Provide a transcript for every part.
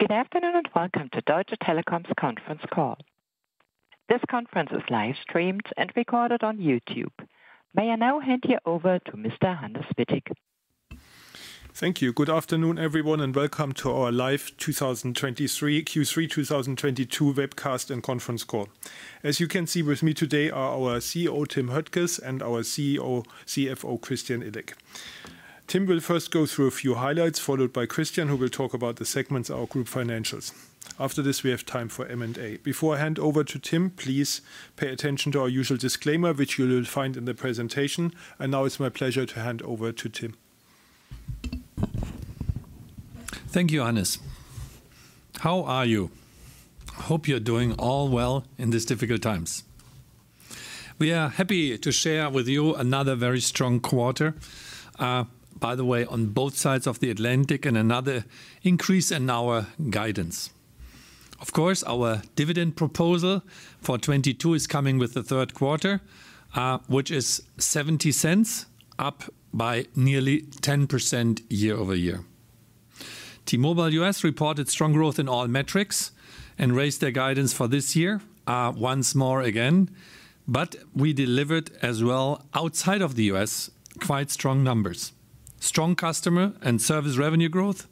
Good afternoon, and welcome to Deutsche Telekom's conference call. This conference is live streamed and recorded on YouTube. May I now hand you over to Mr. Hannes Wittig. Thank you. Good afternoon, everyone, and welcome to our live 2023 Q3 2022 webcast and conference call. As you can see with me today are our CEO, Tim Höttges, and our CFO, Christian Illek. Tim will first go through a few highlights, followed by Christian, who will talk about the segments of our group financials. After this, we have time for M&A. Before I hand over to Tim, please pay attention to our usual disclaimer, which you will find in the presentation. Now it's my pleasure to hand over to Tim. Thank you, Hannes. How are you? Hope you're doing all well in these difficult times. We are happy to share with you another very strong quarter, by the way, on both sides of the Atlantic, and another increase in our guidance. Of course, our dividend proposal for 2022 is coming with the third quarter, which is 0.70, up by nearly 10% year-over-year. T-Mobile U.S. reported strong growth in all metrics and raised their guidance for this year, once more again. We delivered as well outside of the U.S., quite strong numbers. Strong customer and service revenue growth,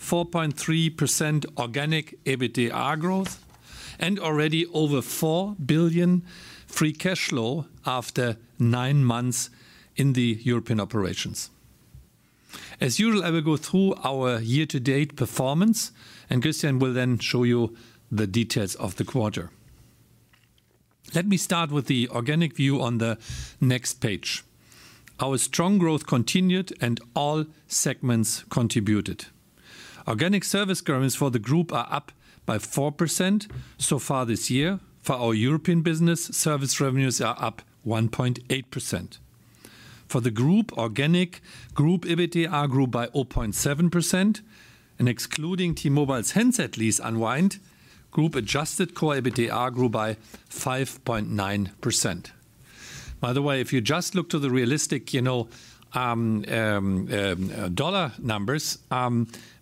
4.3% organic EBITDA growth, and already over 4 billion free cash flow after nine months in the European operations. As usual, I will go through our year-to-date performance, and Christian will then show you the details of the quarter. Let me start with the organic view on the next page. Our strong growth continued and all segments contributed. Organic service revenues for the group are up by 4% so far this year. For our European business, service revenues are up 1.8%. For the group, organic group EBITDA grew by 0.7% and excluding T-Mobile's handset lease unwind, group adjusted core EBITDA grew by 5.9%. By the way, if you just look at the U.S., you know, dollar numbers,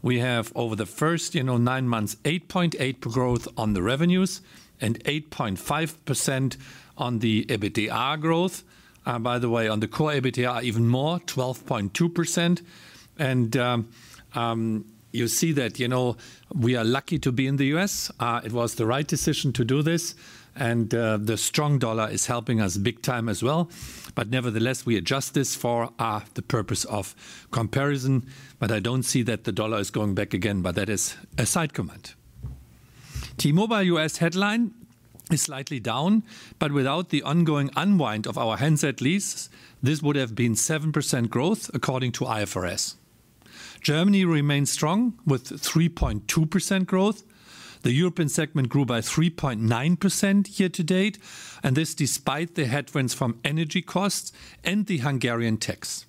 we have over the first, you know, nine months, 8.8% growth on the revenues and 8.5% on the EBITDA growth. By the way, on the core EBITDA, even more, 12.2%. You see that, you know, we are lucky to be in the U.S. It was the right decision to do this, and the strong dollar is helping us big time as well. Nevertheless, we adjust this for the purpose of comparison. I don't see that the dollar is going back again. That is a side comment. T-Mobile U.S. headline is slightly down, but without the ongoing unwind of our handset lease, this would have been 7% growth according to IFRS. Germany remains strong with 3.2% growth. The European segment grew by 3.9% year to date, and this despite the headwinds from energy costs and the Hungarian tax.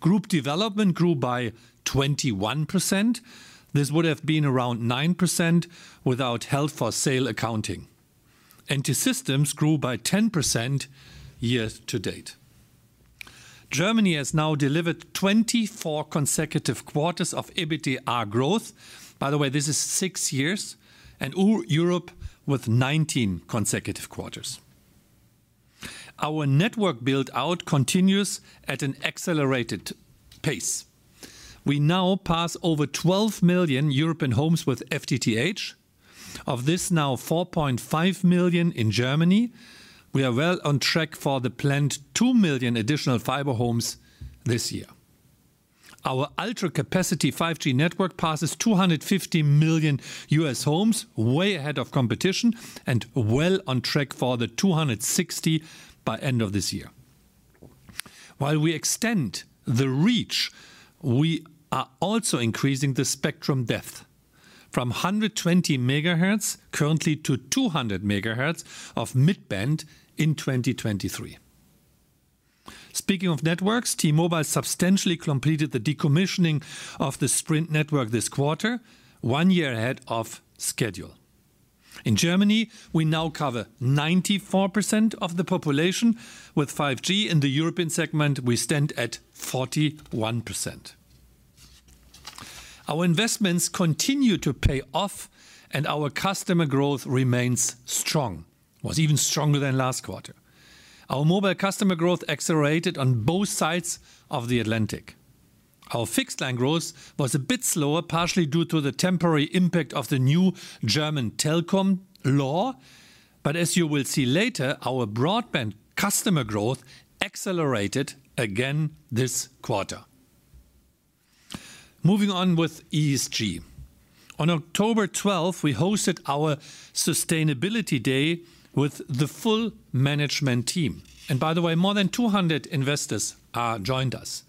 Group development grew by 21%. This would have been around 9% without held for sale accounting. T-Systems grew by 10% year to date. Germany has now delivered 24 consecutive quarters of EBITDA growth. By the way, this is six years. Europe with 19 consecutive quarters. Our network build-out continues at an accelerated pace. We now pass over 12 million European homes with FTTH. Of this now 4.5 million in Germany. We are well on track for the planned 2 million additional fiber homes this year. Our ultra-capacity 5G network passes 250 million U.S. homes, way ahead of competition and well on track for the 260 by end of this year. While we extend the reach, we are also increasing the spectrum depth from 120 megahertz currently to 200 megahertz of mid-band in 2023. Speaking of networks, T-Mobile substantially completed the decommissioning of the Sprint network this quarter, one year ahead of schedule. In Germany, we now cover 94% of the population with 5G. In the European segment, we stand at 41%. Our investments continue to pay off and our customer growth remains strong. Was even stronger than last quarter. Our mobile customer growth accelerated on both sides of the Atlantic. Our fixed line growth was a bit slower, partially due to the temporary impact of the new German telecom law. As you will see later, our broadband customer growth accelerated again this quarter. Moving on with ESG. On October twelfth, we hosted our sustainability day with the full management team. By the way, more than 200 investors joined us.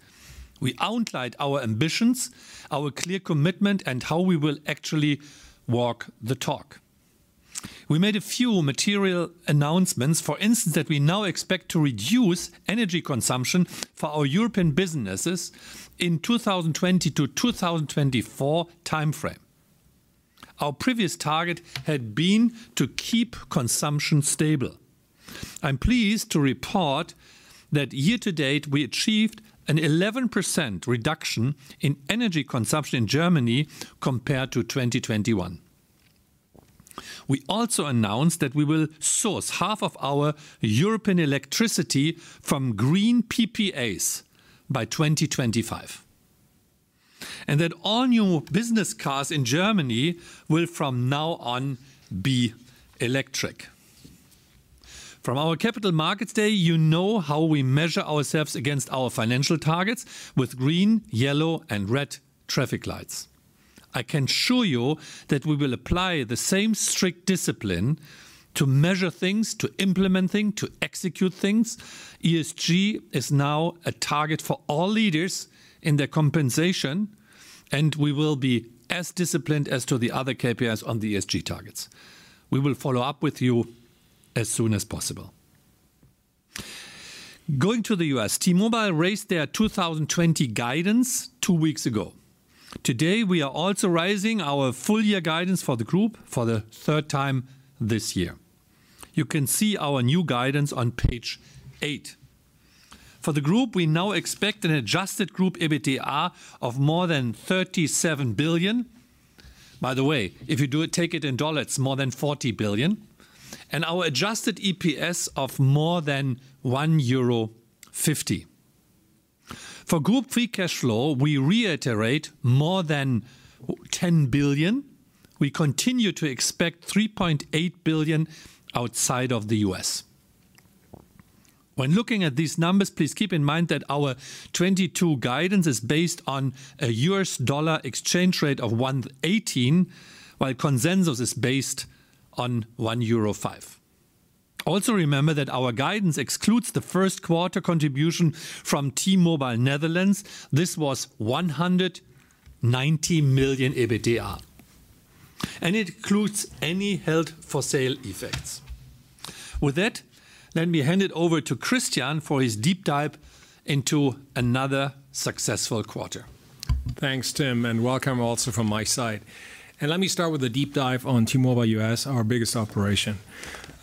We outlined our ambitions, our clear commitment, and how we will actually walk the talk. We made a few material announcements, for instance, that we now expect to reduce energy consumption for our European businesses in 2020 to 2024 timeframe. Our previous target had been to keep consumption stable. I'm pleased to report that year to date, we achieved an 11% reduction in energy consumption in Germany compared to 2021. We also announced that we will source half of our European electricity from green PPAs by 2025, and that all new business cars in Germany will from now on be electric. From our Capital Markets day, you know how we measure ourselves against our financial targets with green, yellow, and red traffic lights. I can assure you that we will apply the same strict discipline to measure things, to implement things, to execute things. ESG is now a target for all leaders in their compensation, and we will be as disciplined as to the other KPIs on the ESG targets. We will follow up with you as soon as possible. Going to the U.S., T-Mobile raised their 2020 guidance two weeks ago. Today, we are also raising our full year guidance for the group for the third time this year. You can see our new guidance on page 8. For the group, we now expect an adjusted group EBITDA of more than 37 billion. By the way, if you do it, take it in dollars, more than $40 billion. Our adjusted EPS of more than 1.50 euro. For group free cash flow, we reiterate more than 10 billion. We continue to expect 3.8 billion outside of the U.S.. When looking at these numbers, please keep in mind that our 2022 guidance is based on a U.S. dollar exchange rate of 1.18, while consensus is based on 1.05. Also remember that our guidance excludes the first quarter contribution from T-Mobile Netherlands. This was 190 million EBITDA, and it includes any held-for-sale effects. With that, let me hand it over to Christian for his deep dive into another successful quarter. Thanks, Tim, and welcome also from my side. Let me start with a deep dive on T-Mobile U.S., our biggest operation.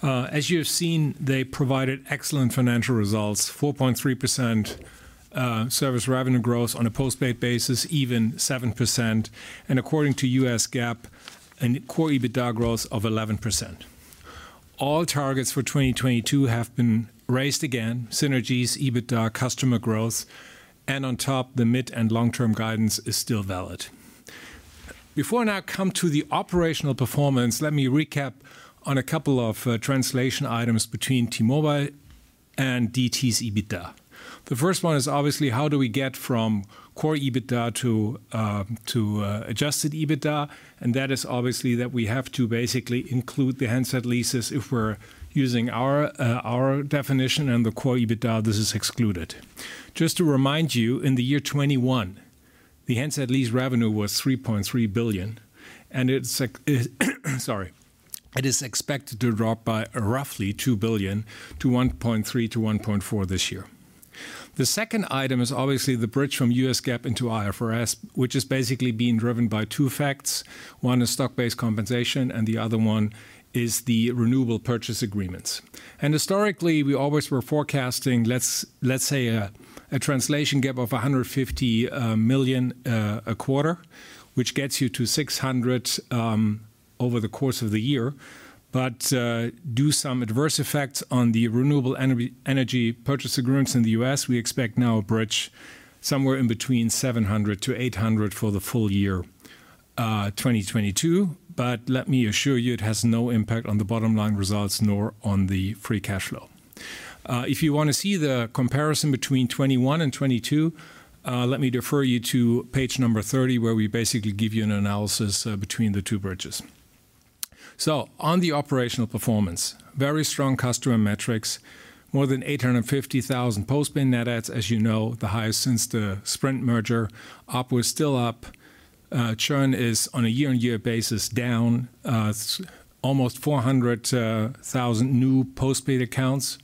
As you have seen, they provided excellent financial results, 4.3% service revenue growth on a postpaid basis, even 7%. According to U.S. GAAP, core EBITDA growth of 11%. All targets for 2022 have been raised again, synergies, EBITDA, customer growth, and on top, the mid and long-term guidance is still valid. Before I now come to the operational performance, let me recap on a couple of translation items between T-Mobile and DT's EBITDA. The first one is obviously how do we get from core EBITDA to adjusted EBITDA? That is obviously that we have to basically include the handset leases if we're using our definition and the core EBITDA, this is excluded. Just to remind you, in the year 2021, the handset lease revenue was $3.3 billion, and it's expected to drop by roughly $2 billion to $1.3-$1.4 billion this year. The second item is obviously the bridge from U.S. GAAP into IFRS, which is basically being driven by two effects. One is stock-based compensation, and the other one is the renewable purchase agreements. Historically, we always were forecasting, let's say a translation GAAP of 150 million a quarter, which gets you to 600 over the course of the year. Due to some adverse effects on the renewable energy purchase agreements in the U.S., we expect now a bridge somewhere in between 700-800 for the full year 2022. Let me assure you, it has no impact on the bottom-line results nor on the free cash flow. If you wanna see the comparison between 2021 and 2022, let me refer you to page 30, where we basically give you an analysis between the two bridges. On the operational performance, very strong customer metrics. More than 850,000 postpaid net adds, as you know, the highest since the Sprint merger. ARPU is still up. Churn is on a year-on-year basis down, almost 400,000 new postpaid accounts,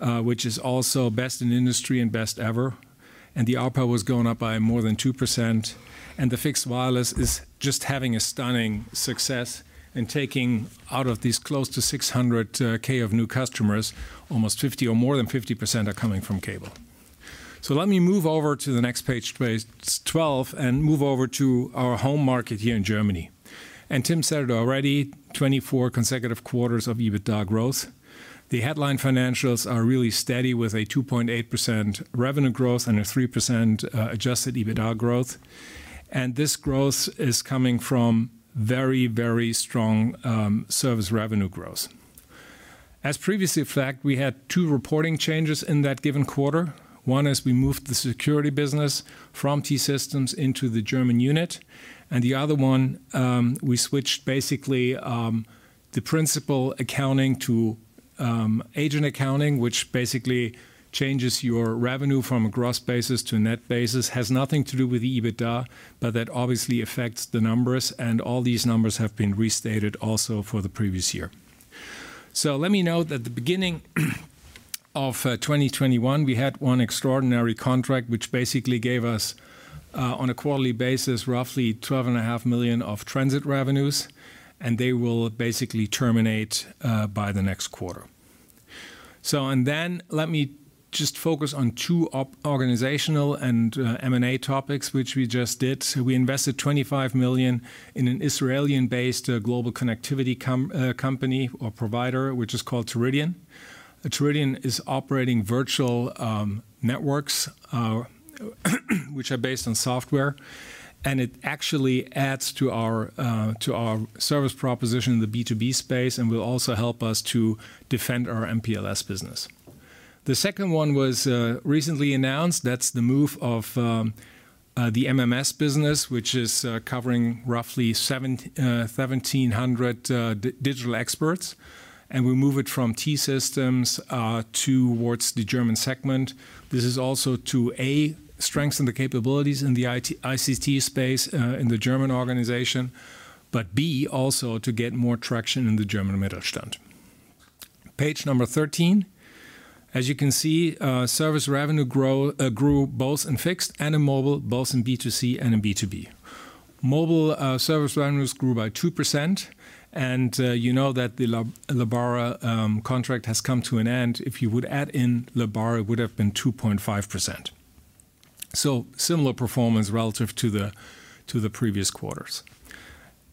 which is also best in industry and best ever. The ARPA was going up by more than 2%. The fixed wireless is just having a stunning success in taking out of these close to 600K new customers, almost 50 or more than 50% are coming from cable. Let me move over to the next page 12, and move over to our home market here in Germany. Tim said it already, 24 consecutive quarters of EBITDA growth. The headline financials are really steady with a 2.8% revenue growth and a 3% adjusted EBITDA growth. This growth is coming from very, very strong service revenue growth. As previously flagged, we had two reporting changes in that given quarter. One is we moved the security business from T-Systems into the German unit, and the other one, we switched basically, the principal accounting to, agent accounting, which basically changes your revenue from a gross basis to a net basis. Has nothing to do with the EBITDA, but that obviously affects the numbers, and all these numbers have been restated also for the previous year. Let me note that the beginning of 2021, we had one extraordinary contract which basically gave us, on a quarterly basis, roughly 12 and a half million of transit revenues, and they will basically terminate, by the next quarter. Let me just focus on two organizational and M&A topics, which we just did. We invested 25 million in an Israeli-based global connectivity company or provider, which is called Teridion. Teridion is operating virtual networks, which are based on software, and it actually adds to our service proposition in the B2B space and will also help us to defend our MPLS business. The second one was recently announced. That's the move of the MMS business, which is covering roughly 1,700 digital experts, and we move it from T-Systems towards the German segment. This is also to A, strengthen the capabilities in the ICT space in the German organization, but B, also to get more traction in the German Mittelstand. Page number 13. As you can see, service revenue grew both in fixed and in mobile, both in B2C and in B2B. Mobile service revenues grew by 2%. You know that the Lebara contract has come to an end. If you would add in Lebara, it would have been 2.5%. Similar performance relative to the previous quarters.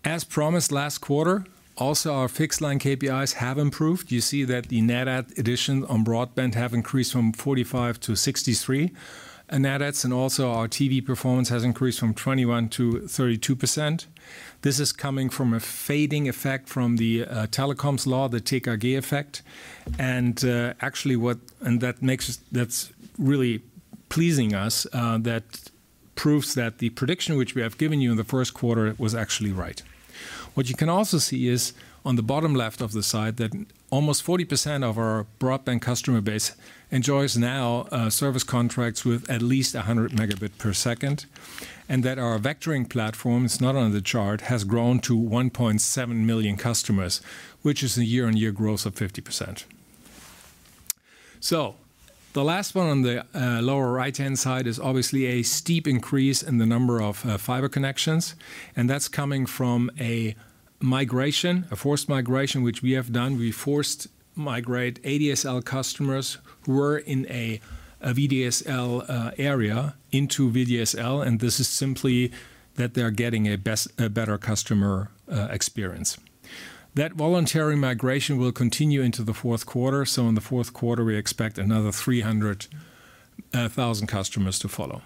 As promised last quarter, also our fixed line KPIs have improved. You see that the net adds on broadband have increased from 45 to 63. Net adds and also our TV performance has increased from 21% to 32%. This is coming from a fading effect from the telecoms law, the TKG effect. Actually, that's really pleasing us, that proves that the prediction which we have given you in the first quarter was actually right. What you can also see is on the bottom left of the slide that almost 40% of our broadband customer base enjoys now service contracts with at least 100 Mbps, and that our vectoring platform, it's not on the chart, has grown to 1.7 million customers, which is a year-on-year growth of 50%. The last one on the lower right-hand slide is obviously a steep increase in the number of fiber connections, and that's coming from a migration, a forced migration, which we have done. We forced migrate ADSL customers who were in a VDSL area into VDSL, and this is simply that they are getting a better customer experience. That voluntary migration will continue into the fourth quarter. In the fourth quarter, we expect another 300,000 customers to follow.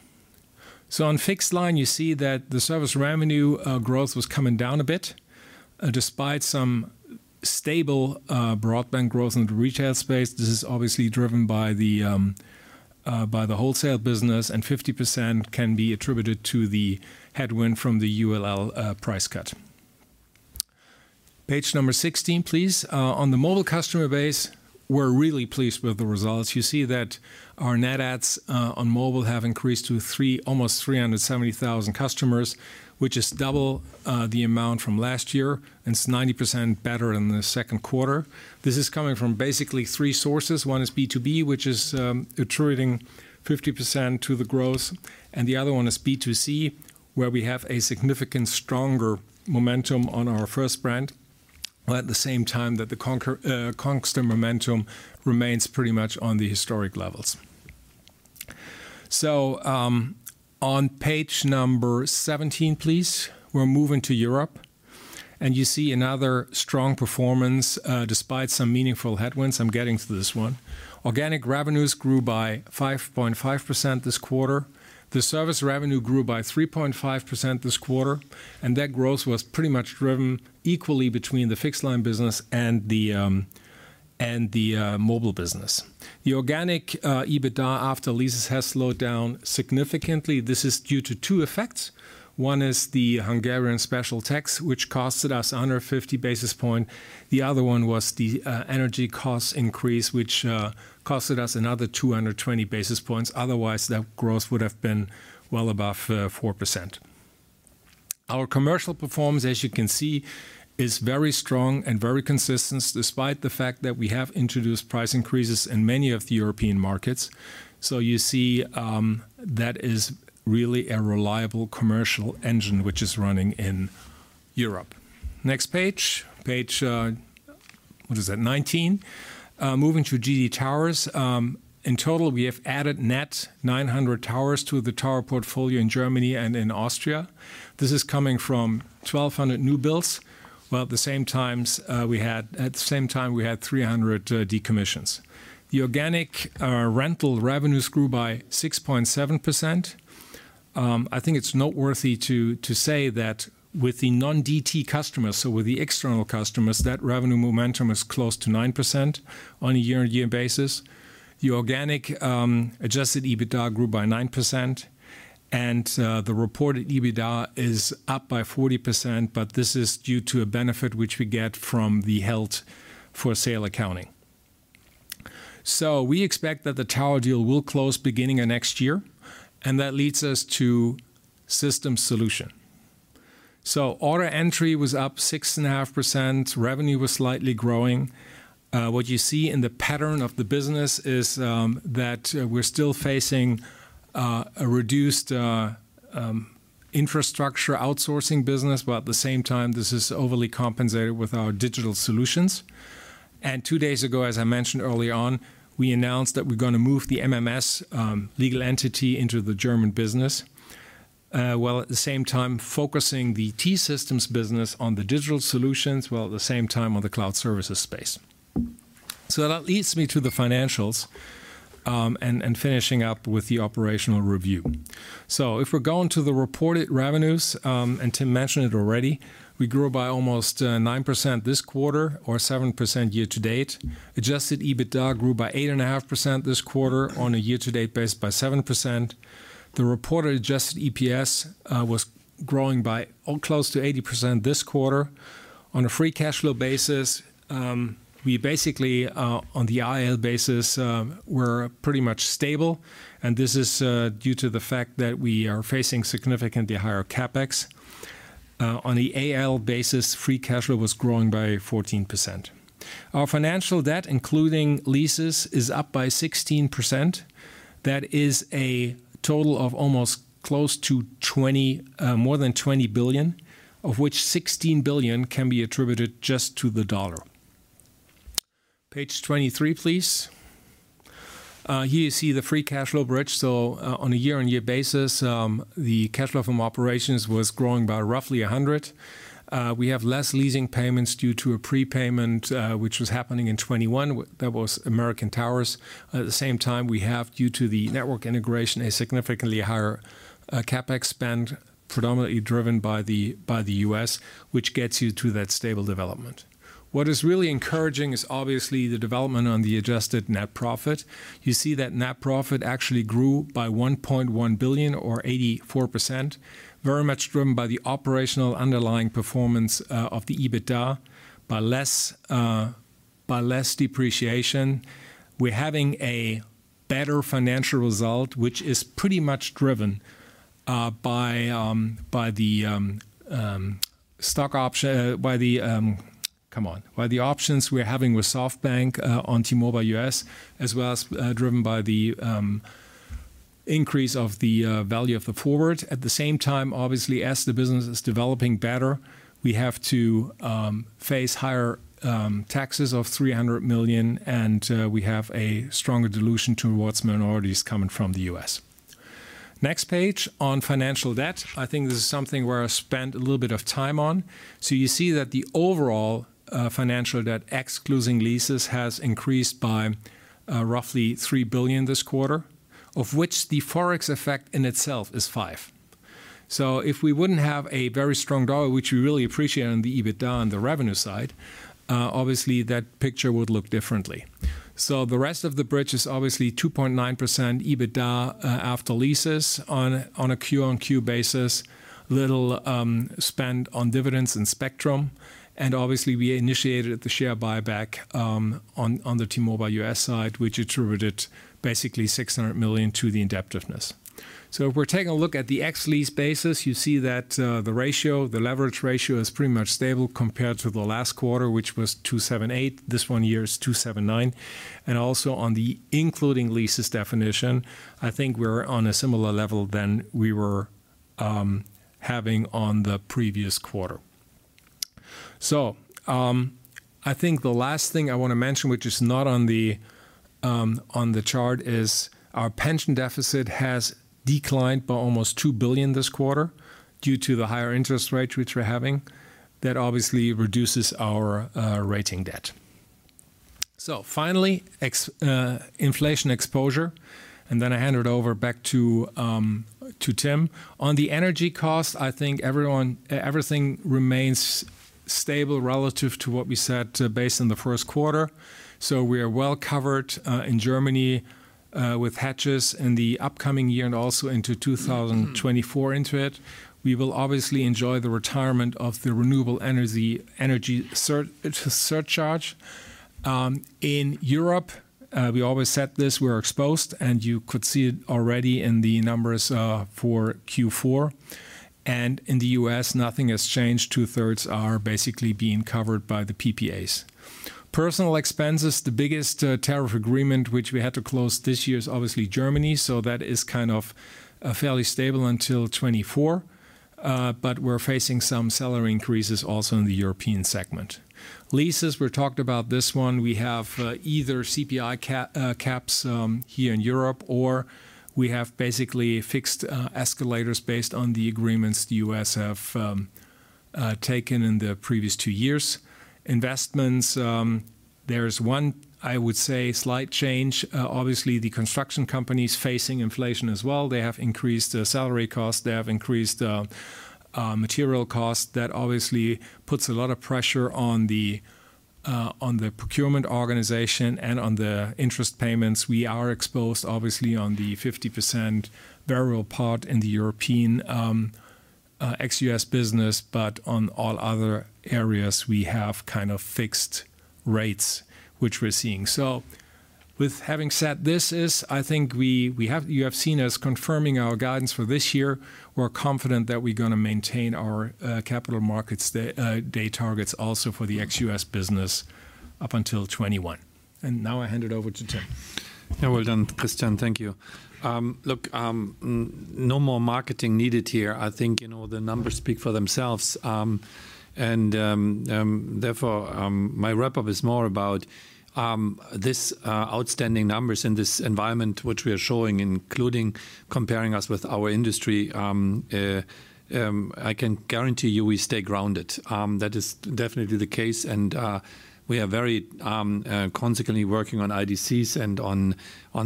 On fixed line, you see that the service revenue growth was coming down a bit, despite some stable broadband growth in the retail space. This is obviously driven by the wholesale business, and 50% can be attributed to the headwind from the ULL price cut. Page number 16, please. On the mobile customer base, we're really pleased with the results. You see that our net adds on mobile have increased to almost 370,000 customers, which is double the amount from last year, and it's 90% better than the second quarter. This is coming from basically three sources. One is B2B, which is attributing 50% to the growth, and the other one is B2C, where we have a significant stronger momentum on our first brand, while at the same time that the Congstar customer momentum remains pretty much on the historic levels. On page 17, please. We're moving to Europe. You see another strong performance despite some meaningful headwinds. I'm getting to this one. Organic revenues grew by 5.5% this quarter. The service revenue grew by 3.5% this quarter, and that growth was pretty much driven equally between the fixed line business and the mobile business. The organic EBITDA after leases has slowed down significantly. This is due to two effects. One is the Hungarian special tax, which costed us 150 basis points. The other one was the, energy cost increase, which, costed us another 220 basis points. Otherwise, that growth would have been well above, 4%. Our commercial performance, as you can see, is very strong and very consistent, despite the fact that we have introduced price increases in many of the European markets. You see, that is really a reliable commercial engine which is running in Europe. Next page. Page, what is that? 19. Moving to GD Towers. In total, we have added net 900 towers to the tower portfolio in Germany and in Austria. This is coming from 1,200 new builds, while at the same time, we had 300 decommissions. The organic rental revenues grew by 6.7%. I think it's noteworthy to say that with the non-DT customers, so with the external customers, that revenue momentum is close to 9% on a year-on-year basis. The organic adjusted EBITDA grew by 9%, and the reported EBITDA is up by 40%, but this is due to a benefit which we get from the held for sale accounting. We expect that the tower deal will close beginning of next year, and that leads us to Systems Solutions. Order entry was up 6.5%. Revenue was slightly growing. What you see in the pattern of the business is that we're still facing a reduced infrastructure outsourcing business, but at the same time, this is overly compensated with our digital solutions. Two days ago, as I mentioned early on, we announced that we're gonna move the MMS legal entity into the German business. While at the same time focusing the T-Systems business on the digital solutions, while at the same time on the cloud services space. That leads me to the financials, and finishing up with the operational review. If we're going to the reported revenues, and Tim mentioned it already, we grew by almost 9% this quarter or 7% year-to-date. Adjusted EBITDA grew by 8.5% this quarter, on a year-to-date basis by 7%. The reported adjusted EPS was growing by close to 80% this quarter. On a free cash flow basis, we basically, on the IL basis, we're pretty much stable, and this is due to the fact that we are facing significantly higher CapEx. On the AL basis, free cash flow was growing by 14%. Our financial debt, including leases, is up by 16%. That is a total of almost close to more than 20 billion, of which 16 billion can be attributed just to the dollar. Page 23, please. Here you see the free cash flow bridge. On a year-on-year basis, the cash flow from operations was growing by roughly 100. We have less leasing payments due to a prepayment which was happening in 2021. That was American Tower. At the same time, we have, due to the network integration, a significantly higher CapEx spend, predominantly driven by the U.S., which gets you to that stable development. What is really encouraging is obviously the development on the adjusted net profit. You see that net profit actually grew by 1.1 billion or 84%, very much driven by the operational underlying performance of the EBITDA, by less depreciation. We're having a better financial result, which is pretty much driven by the options we're having with SoftBank on T-Mobile U.S., as well as driven by the increase of the value of the forward. At the same time, obviously, as the business is developing better, we have to face higher taxes of 300 million, and we have a stronger dilution towards minorities coming from the U.S. Next page. On financial debt, I think this is something where I spent a little bit of time on. You see that the overall financial debt, excluding leases, has increased by roughly 3 billion this quarter, of which the Forex effect in itself is five. If we wouldn't have a very strong dollar, which we really appreciate on the EBITDA and the revenue side, obviously that picture would look differently. The rest of the bridge is obviously 2.9% EBITDA after leases on a quarter-on-quarter basis. Little spend on dividends and spectrum. Obviously, we initiated the share buyback on the T-Mobile U.S. side, which attributed basically $600 million to the indebtedness. If we're taking a look at the ex-lease basis, you see that the ratio, the leverage ratio is pretty much stable compared to the last quarter, which was 2.78. This one here is 2.79. Also on the including leases definition, I think we're on a similar level than we were having on the previous quarter. I think the last thing I wanna mention, which is not on the chart, is our pension deficit has declined by almost 2 billion this quarter due to the higher interest rates which we're having. That obviously reduces our rated debt. Finally, our inflation exposure, and then I hand it over back to Tim. On the energy cost, I think everything remains stable relative to what we said based on the first quarter. We are well covered in Germany with hedges in the upcoming year and also into 2024. We will obviously enjoy the retirement of the renewable energy surcharge. In Europe, we always said this, we're exposed, and you could see it already in the numbers for Q4. In the U.S., nothing has changed. Two-thirds are basically being covered by the PPAs. Personnel expenses. The biggest tariff agreement which we had to close this year is obviously Germany, so that is kind of fairly stable until 2024. We're facing some salary increases also in the European segment. Leases, we talked about this one. We have either CPI caps here in Europe, or we have basically fixed escalators based on the agreements the U.S. have taken in the previous two years. Investments, there is one, I would say, slight change. Obviously the construction company is facing inflation as well. They have increased salary costs. They have increased material costs. That obviously puts a lot of pressure on the procurement organization and on the interest payments. We are exposed, obviously, on the 50% variable part in the European ex-U.S. business. But on all other areas, we have kind of fixed rates, which we're seeing. With that said, I think you have seen us confirming our guidance for this year. We're confident that we're gonna maintain our capital markets day targets also for the ex-U.S. business up until 2021. I hand it over to Tim. Yeah, well done, Christian. Thank you. Look, no more marketing needed here. I think, you know, the numbers speak for themselves. Therefore, my wrap-up is more about these outstanding numbers in this environment which we are showing, including comparing us with our industry. I can guarantee you we stay grounded. That is definitely the case and we are very consciously working on indirect costs and on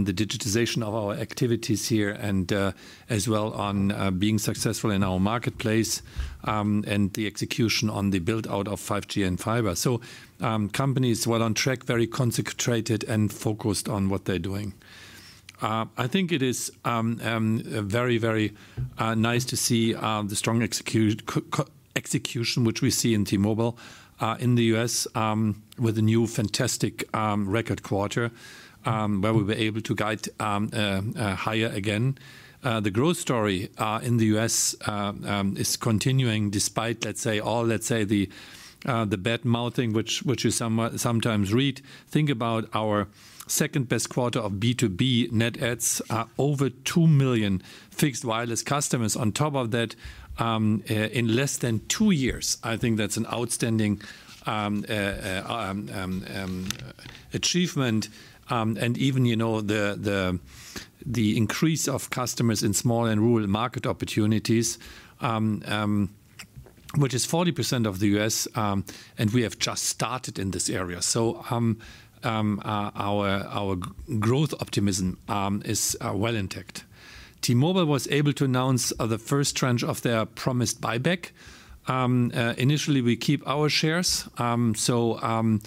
the digitization of our activities here and as well on being successful in our marketplace and the execution on the build-out of 5G and fiber. Company is well on track, very concentrated and focused on what they're doing. I think it is very nice to see the strong execution which we see in T-Mobile in the U.S., with a new fantastic record quarter, where we were able to guide higher again. The growth story in the U.S. is continuing despite, let's say, all, let's say, the bad-mouthing which you sometimes read. Think about our second-best quarter of B2B net adds, over 2 million fixed wireless customers on top of that, in less than two years. I think that's an outstanding achievement. Even, you know, the increase of customers in small and rural market opportunities, which is 40% of the U.S., and we have just started in this area. Our growth optimism is well intact. T-Mobile was able to announce the first tranche of their promised buyback. Initially we keep our shares, so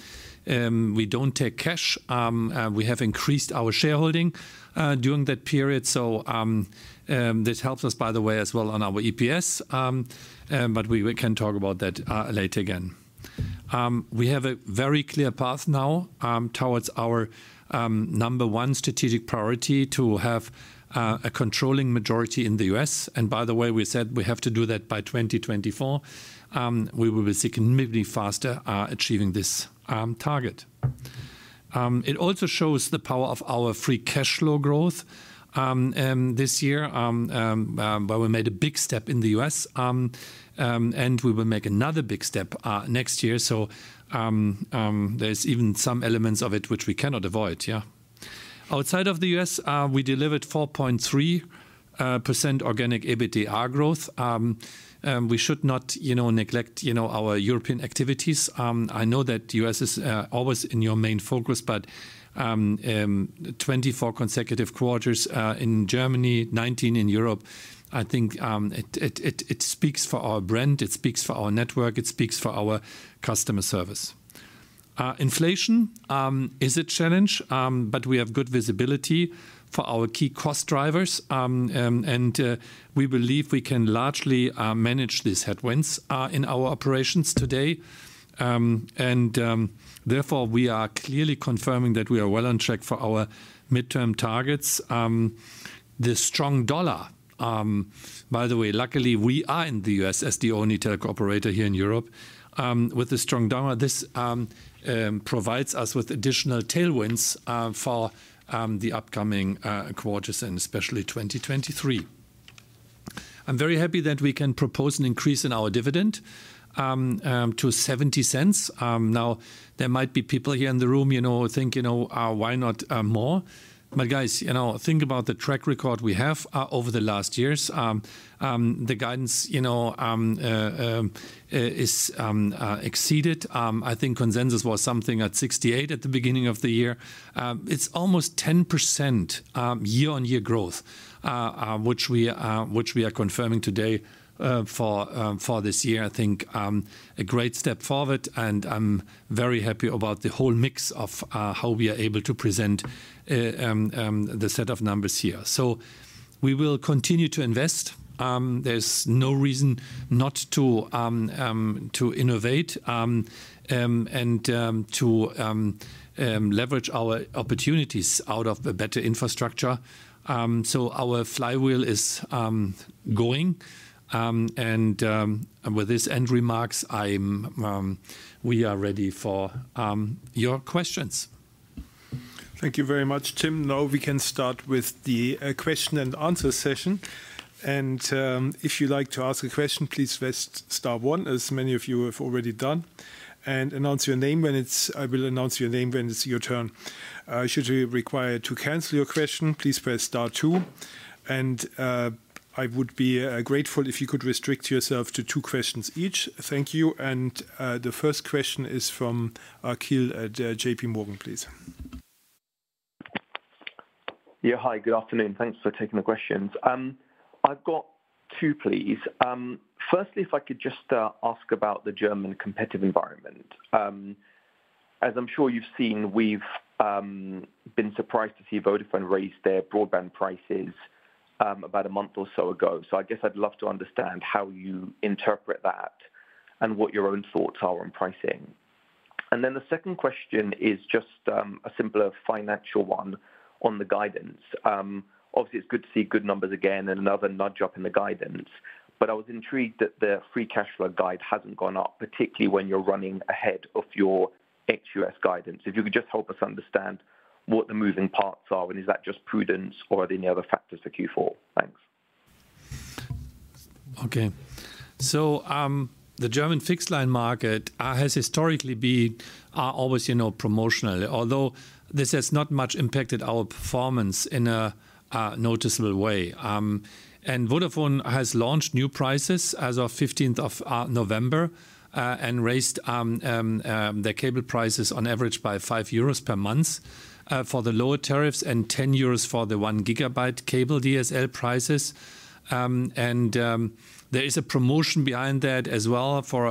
we don't take cash. We have increased our shareholding during that period, so this helps us by the way as well on our EPS, but we can talk about that later again. We have a very clear path now towards our number one strategic priority to have a controlling majority in the U.S. By the way, we said we have to do that by 2024. We will be significantly faster achieving this target. It also shows the power of our free cash flow growth this year, but we made a big step in the U.S., and we will make another big step next year. There's even some elements of it which we cannot avoid, yeah. Outside of the U.S., we delivered 4.3% organic EBITDA growth. We should not, you know, neglect, you know, our European activities. I know that the U.S. is always in your main focus, but 24 consecutive quarters in Germany, 19 in Europe, I think, it speaks for our brand, it speaks for our network, it speaks for our customer service. Inflation is a challenge, but we have good visibility for our key cost drivers, and we believe we can largely manage these headwinds in our operations today. Therefore, we are clearly confirming that we are well on track for our midterm targets. The strong dollar, by the way, luckily, we are in the U.S. as the only telco operator here in Europe. With the strong dollar, this provides us with additional tailwinds for the upcoming quarters and especially 2023. I'm very happy that we can propose an increase in our dividend to 0.70. Now, there might be people here in the room, you know, think, you know, why not more? Guys, you know, think about the track record we have over the last years. The guidance, you know, is exceeded. I think consensus was something at 68 at the beginning of the year. It's almost 10% year-on-year growth, which we are confirming today for this year. I think a great step forward, and I'm very happy about the whole mix of how we are able to present the set of numbers here. We will continue to invest. There's no reason not to innovate and to leverage our opportunities out of the better infrastructure. Our flywheel is going, and with these ending remarks, we are ready for your questions. Thank you very much, Tim. Now we can start with the question and answer session. If you'd like to ask a question, please press star one, as many of you have already done, and announce your name. I will announce your name when it's your turn. Should you require to cancel your question, please press star two. I would be grateful if you could restrict yourself to two questions each. Thank you. The first question is from Akhil at JPMorgan, please. Yeah, hi. Good afternoon. Thanks for taking the questions. I've got two, please. Firstly, if I could just ask about the German competitive environment. As I'm sure you've seen, we've been surprised to see Vodafone raise their broadband prices about a month or so ago. I guess I'd love to understand how you interpret that and what your own thoughts are on pricing. The second question is just a simpler financial one on the guidance. Obviously it's good to see good numbers again and another nudge up in the guidance. I was intrigued that the free cash flow guide hasn't gone up, particularly when you're running ahead of your U.S. guidance. If you could just help us understand what the moving parts are, and is that just prudence or are there any other factors for Q4? Thanks. The German fixed line market has historically been always, you know, promotional. Although this has not much impacted our performance in a noticeable way. Vodafone has launched new prices as of 15th of November and raised their cable prices on average by 5 euros per month for the lower tariffs and 10 euros for the 1 GB cable DSL prices. There is a promotion behind that as well for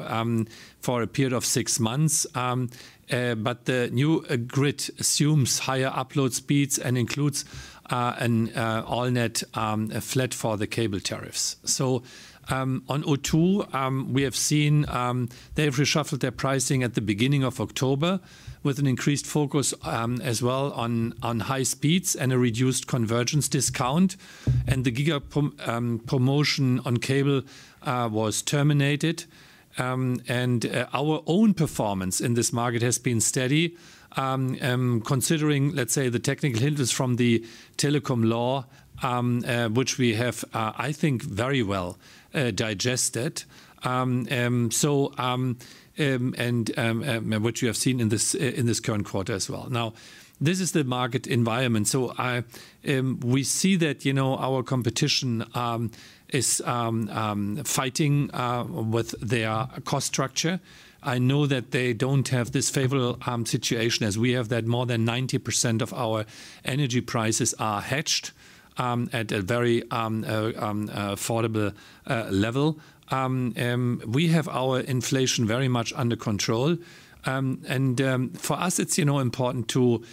a period of six months. The new grid assumes higher upload speeds and includes an all net flat for the cable tariffs. On O2, we have seen they've reshuffled their pricing at the beginning of October with an increased focus as well on high speeds and a reduced convergence discount. The promotion on cable was terminated. Our own performance in this market has been steady, considering, let's say, the technical hindrance from the telecom law, which we have, I think, very well digested. And what you have seen in this current quarter as well. Now, this is the market environment. We see that, you know, our competition is fighting with their cost structure. I know that they don't have this favorable situation as we have that more than 90% of our energy prices are hedged at a very affordable level. We have our inflation very much under control. For us, it's, you know, important to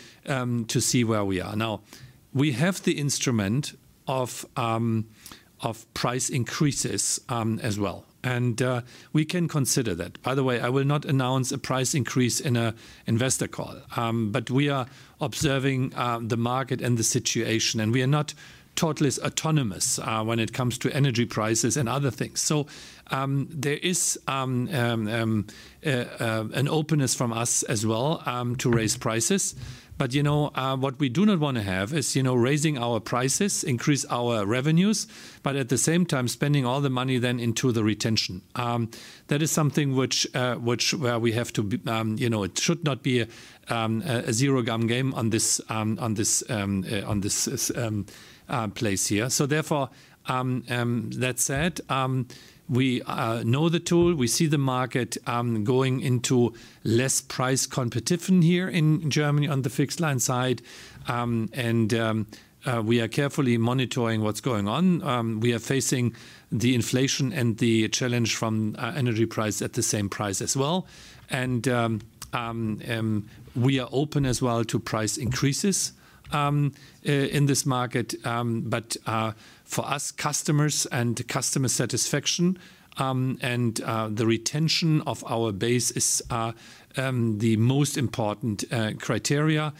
see where we are. Now, we have the instrument of price increases as well. We can consider that. By the way, I will not announce a price increase in an investor call. We are observing the market and the situation. We are not totally autonomous when it comes to energy prices and other things. There is an openness from us as well to raise prices. You know, what we do not wanna have is, you know, raising our prices, increase our revenues, but at the same time, spending all the money then into the retention. That is something which is where we have to be, you know, it should not be a zero-sum game in this space here. That said, we know the rules. We see the market going into less price competition here in Germany on the fixed line side. We are carefully monitoring what's going on. We are facing the inflation and the challenge from energy prices as well. We are open as well to price increases in this market. But for us, customers and customer satisfaction and the retention of our base is the most important criteria.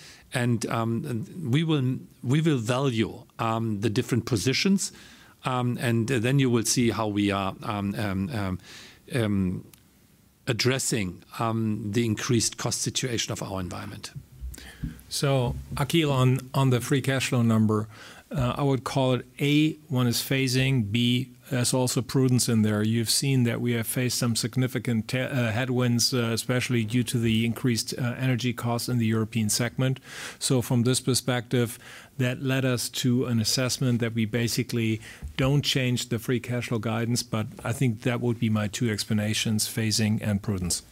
We will value the different positions. Then you will see how we are addressing the increased cost situation of our environment. Akhil, on the free cash flow number, I would call it A, one is phasing, B, there's also prudence in there. You've seen that we have faced some significant headwinds, especially due to the increased energy costs in the European segment. From this perspective, that led us to an assessment that we basically don't change the free cash flow guidance. I think that would be my two explanations, phasing and prudence.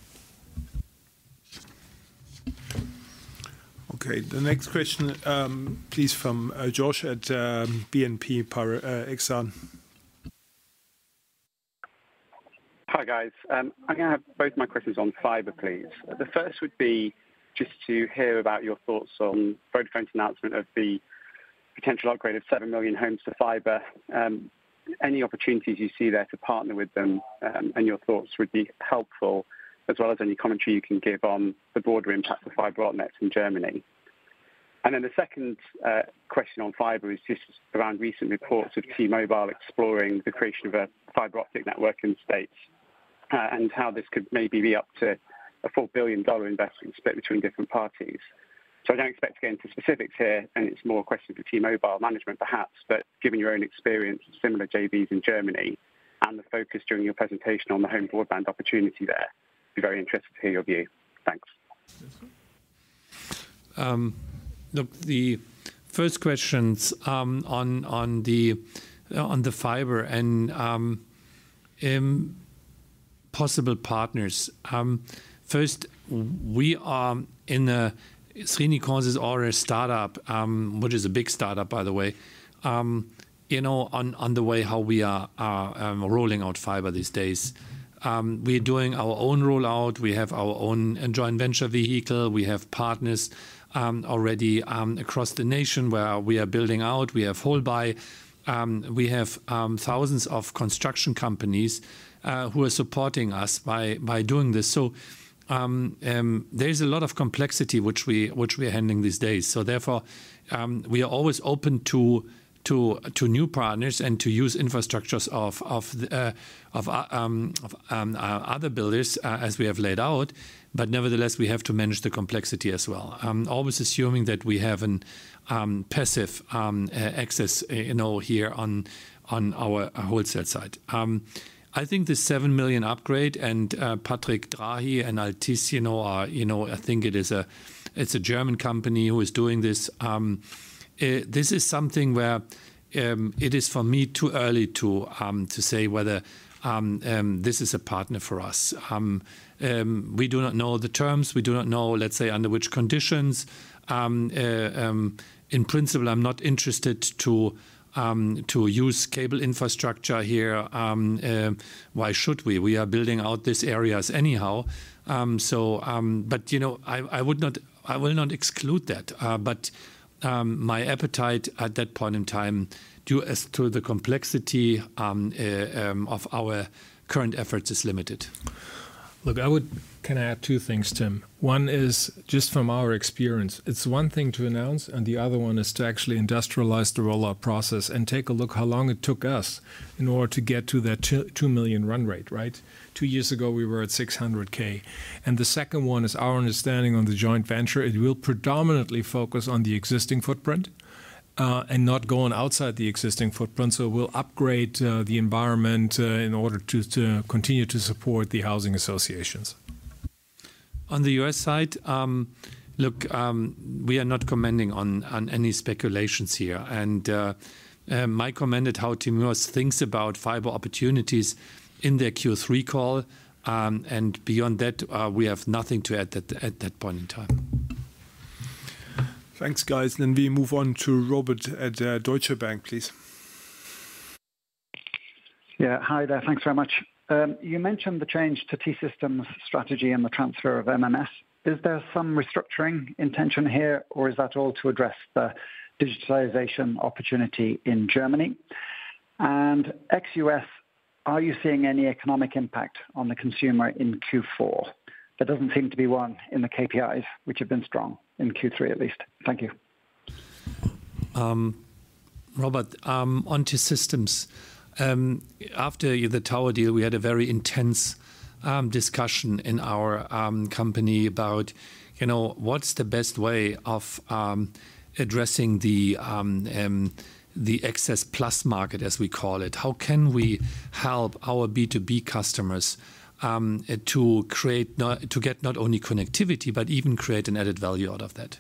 Okay. The next question, please from Josh at BNP Exane. Hi, guys. I'm gonna have both my questions on fiber, please. The first would be just to hear about your thoughts on Vodafone's announcement of the potential upgrade of 7 million homes to fiber. Any opportunities you see there to partner with them, and your thoughts would be helpful, as well as any commentary you can give on the broader impact of fiber optic nets in Germany. Then the second question on fiber is just around recent reports of T-Mobile exploring the creation of a fiber optic network in the States, and how this could maybe be up to a $4 billion investment split between different parties. I don't expect to get into specifics here, and it's more a question for T-Mobile management perhaps. Given your own experience with similar JVs in Germany and the focus during your presentation on the home broadband opportunity there, be very interested to hear your view. Thanks. Look, the first questions on the fiber and possible partners. First, we are in a Srini calls us our startup, which is a big startup, by the way, you know, on the way how we are rolling out fiber these days. We are doing our own rollout. We have our own joint venture vehicle. We have partners already across the nation where we are building out. We have wholesale. We have thousands of construction companies who are supporting us by doing this. There is a lot of complexity which we are handling these days. Therefore, we are always open to new partners and to use infrastructures of other builders as we have laid out. Nevertheless, we have to manage the complexity as well. Always assuming that we have passive access, you know, here on our wholesale side. I think the 7 million upgrade and Patrick Drahi and Altice, I think it's a German company who is doing this. This is something where it is for me too early to say whether this is a partner for us. We do not know the terms. We do not know, let's say, under which conditions. In principle, I'm not interested to use cable infrastructure here. Why should we? We are building out these areas anyhow. I will not exclude that. My appetite at that point in time as to the complexity of our current efforts is limited. Look, can I add two things, Tim? One is just from our experience. It's one thing to announce, and the other one is to actually industrialize the rollout process and take a look how long it took us in order to get to that 2.2 million run rate, right? Two years ago, we were at 600,000. The second one is our understanding on the joint venture. It will predominantly focus on the existing footprint, and not go on outside the existing footprint. We'll upgrade the environment in order to continue to support the housing associations. On the U.S. side, look, we are not commenting on any speculations here. Mike commented how T-Mobile U.S. thinks about fiber opportunities in their Q3 call. Beyond that, we have nothing to add at that point in time. Thanks, guys. We move on to Robert at Deutsche Bank, please. Yeah. Hi there. Thanks very much. You mentioned the change to T-Systems' strategy and the transfer of MMS. Is there some restructuring intention here, or is that all to address the digitalization opportunity in Germany? Ex-U.S., are you seeing any economic impact on the consumer in Q4? There doesn't seem to be one in the KPIs, which have been strong in Q3 at least. Thank you. Robert, on T-Systems. After the tower deal, we had a very intense discussion in our company about, you know, what's the best way of addressing the access plus market, as we call it. How can we help our B2B customers to get not only connectivity, but even create an added value out of that.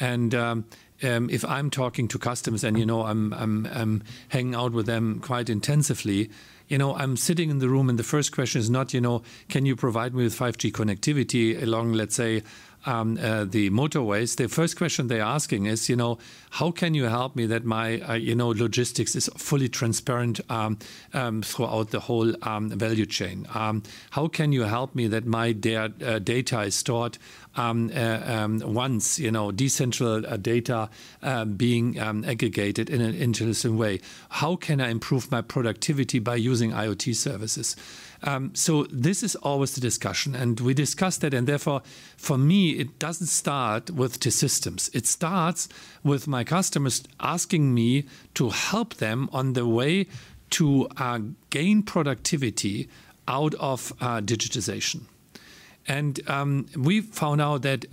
If I'm talking to customers and, you know, I'm hanging out with them quite intensively. You know, I'm sitting in the room and the first question is not, you know, "Can you provide me with 5G connectivity along, let's say, the motorways?" The first question they're asking is, you know, "How can you help me that my, you know, logistics is fully transparent throughout the whole value chain? How can you help me that my data is stored, once, you know, decentral data being aggregated in an interesting way? How can I improve my productivity by using IoT services?" This is always the discussion, and we discussed it, and therefore, for me, it doesn't start with T-Systems. It starts with my customers asking me to help them on the way to gain productivity out of digitization. We found out that,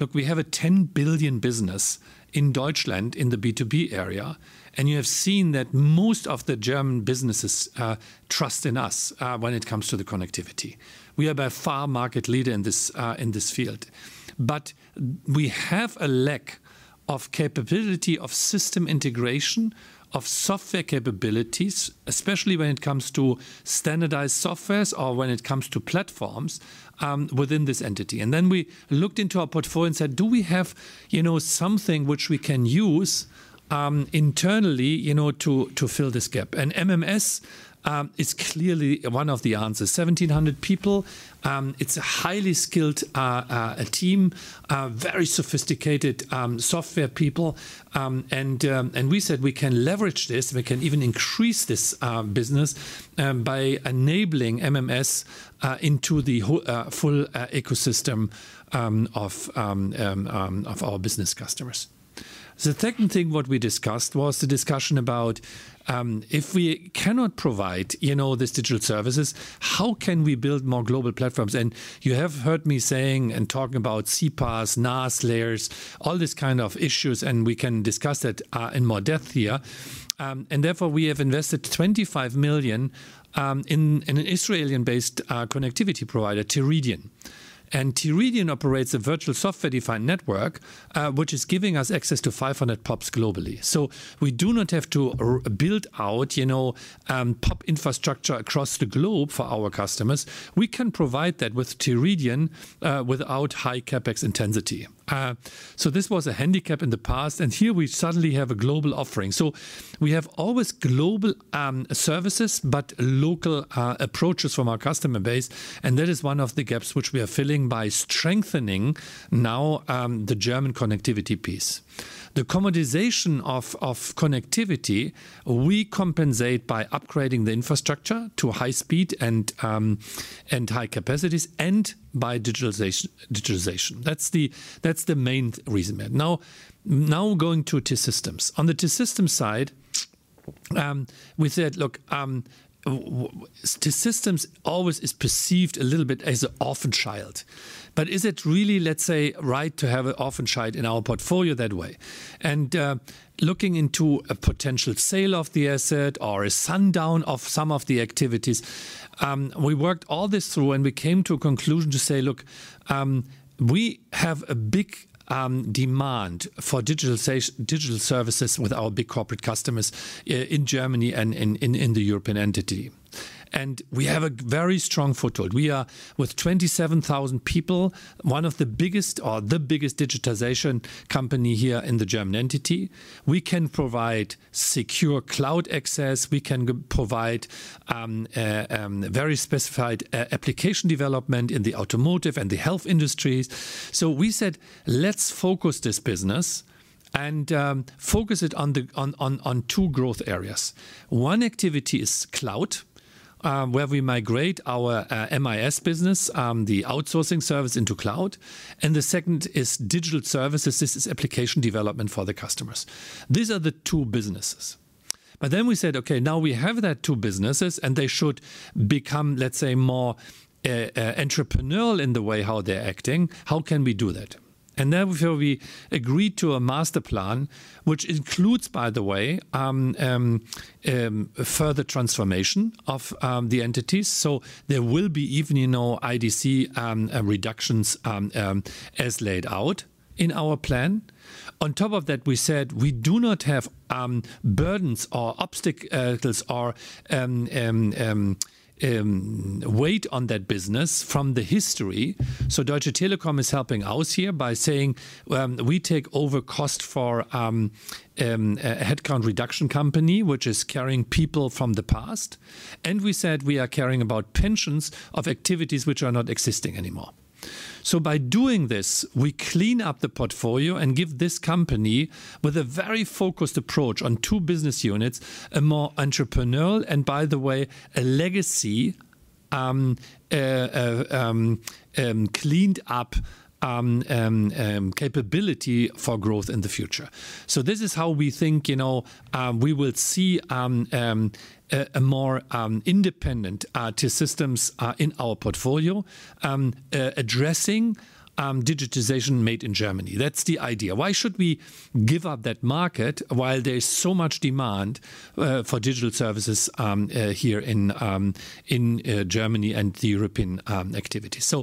look, we have a 10 billion business in Deutschland in the B2B area, and you have seen that most of the German businesses trust in us when it comes to the connectivity. We are by far market leader in this field. We have a lack of capability of system integration, of software capabilities, especially when it comes to standardized softwares or when it comes to platforms, within this entity. We looked into our portfolio and said, "Do we have, you know, something which we can use, internally, you know, to fill this gap?" MMS is clearly one of the answers. 1,700 people, it's a highly skilled team, very sophisticated software people. We said we can leverage this, we can even increase this business, by enabling MMS into the full ecosystem of our business customers. The second thing what we discussed was the discussion about, if we cannot provide, you know, these digital services, how can we build more global platforms? You have heard me saying and talking about CPaaS, NaaS layers, all these kind of issues, and we can discuss that in more depth here. We have invested 25 million in an Israeli-based connectivity provider, Teridion. Teridion operates a virtual software-defined network which is giving us access to 500 POPs globally. We do not have to build out, you know, POP infrastructure across the globe for our customers. We can provide that with Teridion without high CapEx intensity. This was a handicap in the past, and here we suddenly have a global offering. We have always global services but local approaches from our customer base, and that is one of the gaps which we are filling by strengthening now the German connectivity piece. The commoditization of connectivity we compensate by upgrading the infrastructure to high speed and high capacities and by digitalization. That's the main reason. Now going to T-Systems. On the T-Systems side, we said, look, T-Systems always is perceived a little bit as an orphan child. But is it really, let's say, right to have an orphan child in our portfolio that way? Looking into a potential sale of the asset or a sunset of some of the activities, we worked all this through and we came to a conclusion to say, look, we have a big demand for digital services with our big corporate customers in Germany and in the European entity. We have a very strong foothold. We are, with 27,000 people, one of the biggest or the biggest digitization company here in the German entity. We can provide secure cloud access. We can provide very specific application development in the automotive and the health industries. We said, let's focus this business and focus it on two growth areas. One activity is cloud, where we migrate our MIS business, the outsourcing service into cloud. The second is digital services. This is application development for the customers. These are the two businesses. We said, okay, now we have those two businesses and they should become, let's say, more entrepreneurial in the way how they're acting. How can we do that? Therefore, we agreed to a master plan, which includes, by the way, further transformation of the entities. There will be even, you know, IDC reductions, as laid out in our plan. On top of that, we said we do not have burdens or obstacles or weight on that business from the history. Deutsche Telekom is helping out here by saying, we take over cost for a headcount reduction company which is carrying people from the past. We said we are caring about pensions of activities which are not existing anymore. By doing this, we clean up the portfolio and give this company with a very focused approach on two business units, a more entrepreneurial and by the way, a legacy cleaned up capability for growth in the future. This is how we think, you know, we will see a more independent T-Systems in our portfolio, addressing digitization made in Germany. That's the idea. Why should we give up that market while there is so much demand for digital services here in Germany and the European activities?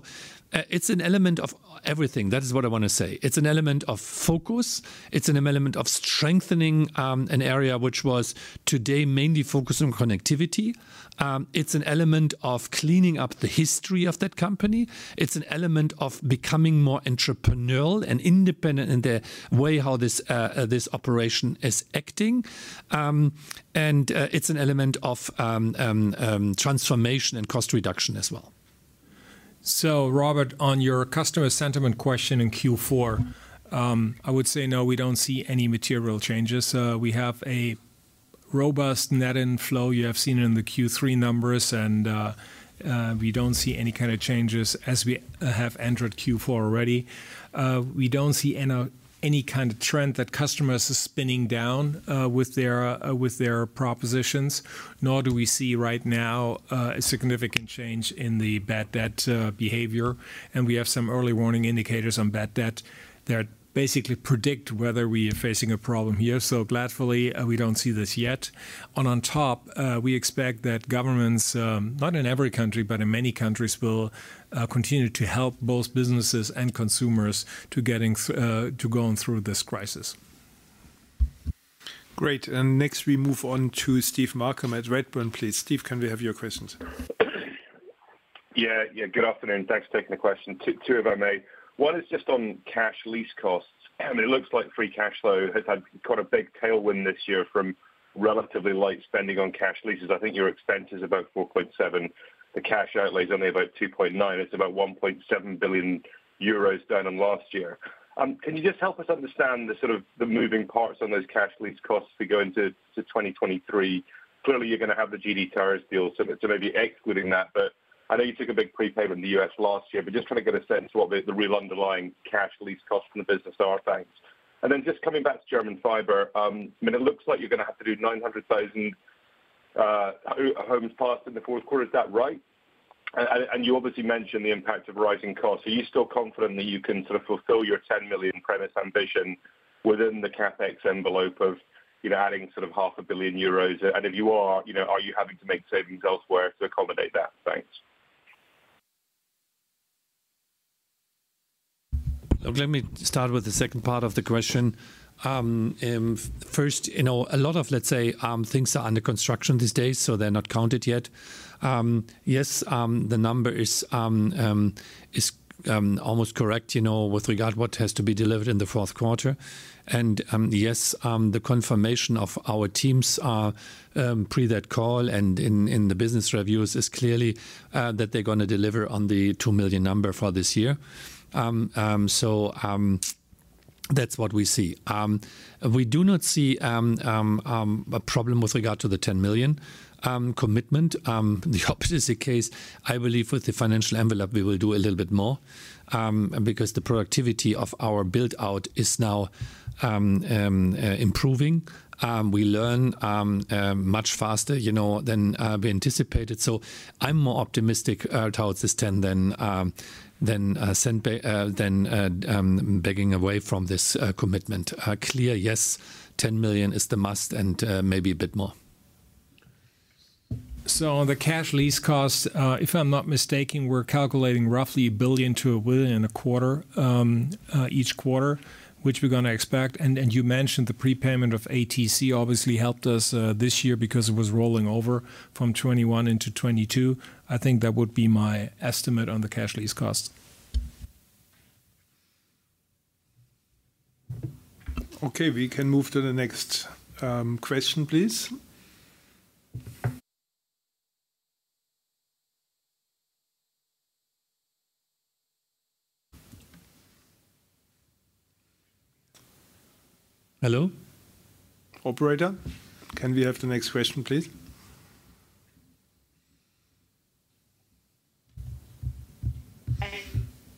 It's an element of everything. That is what I want to say. It's an element of focus. It's an element of strengthening an area which was today mainly focused on connectivity. It's an element of cleaning up the history of that company. It's an element of becoming more entrepreneurial and independent in the way how this operation is acting. It's an element of transformation and cost reduction as well. Robert, on your customer sentiment question in Q4, I would say, no, we don't see any material changes. We have a robust net inflow. You have seen it in the Q3 numbers, and we don't see any kind of changes as we have entered Q4 already. We don't see any kind of trend that customers are spinning down with their propositions, nor do we see right now a significant change in the bad debt behavior. We have some early warning indicators on bad debt that basically predict whether we are facing a problem here. Gladly, we don't see this yet. On top, we expect that governments, not in every country, but in many countries, will continue to help both businesses and consumers to going through this crisis. Great. Next we move on to Stephen Malcolm at Redburn, please. Steve, can we have your questions? Yeah. Good afternoon. Thanks for taking the question. Two if I may. One is just on cash lease costs. I mean, it looks like free cash flow has had quite a big tailwind this year from relatively light spending on cash leases. I think your expense is about 4.7. The cash outlay is only about 2.9. It's about 1.7 billion euros down on last year. Can you just help us understand the sort of the moving parts on those cash lease costs as we go into 2023? Clearly, you're gonna have the GD Towers deal, so maybe excluding that. But I know you took a big prepayment in the U.S. last year, but just trying to get a sense of what the real underlying cash lease costs in the business are. Thanks. Just coming back to German fiber, I mean, it looks like you're gonna have to do 900,000 homes passed in the fourth quarter. Is that right? And you obviously mentioned the impact of rising costs. Are you still confident that you can sort of fulfill your 10 million premise ambition within the CapEx envelope of, you know, adding sort of half a billion EUR? And if you are, you know, are you having to make savings elsewhere to accommodate that? Thanks. Look, let me start with the second part of the question. First, you know, a lot of, let's say, things are under construction these days, so they're not counted yet. Yes, the number is almost correct, you know, with regard to what has to be delivered in the fourth quarter. Yes, the confirmation of our teams are prior to that call and in the business reviews is clearly that they're gonna deliver on the 2 million number for this year. So, that's what we see. We do not see a problem with regard to the 10 million commitment. The opposite case, I believe with the financial envelope, we will do a little bit more because the productivity of our build-out is now improving. We learn much faster, you know, than we anticipated. I'm more optimistic towards this 10 than backing away from this commitment. Clear, yes, 10 million is a must and maybe a bit more. The cash lease cost, if I'm not mistaken, we're calculating roughly 1 billion to 1 billion in a quarter, each quarter, which we're gonna expect. You mentioned the prepayment of ATC obviously helped us this year because it was rolling over from 2021 into 2022. I think that would be my estimate on the cash lease cost. Okay, we can move to the next question, please. Hello? Operator, can we have the next question, please?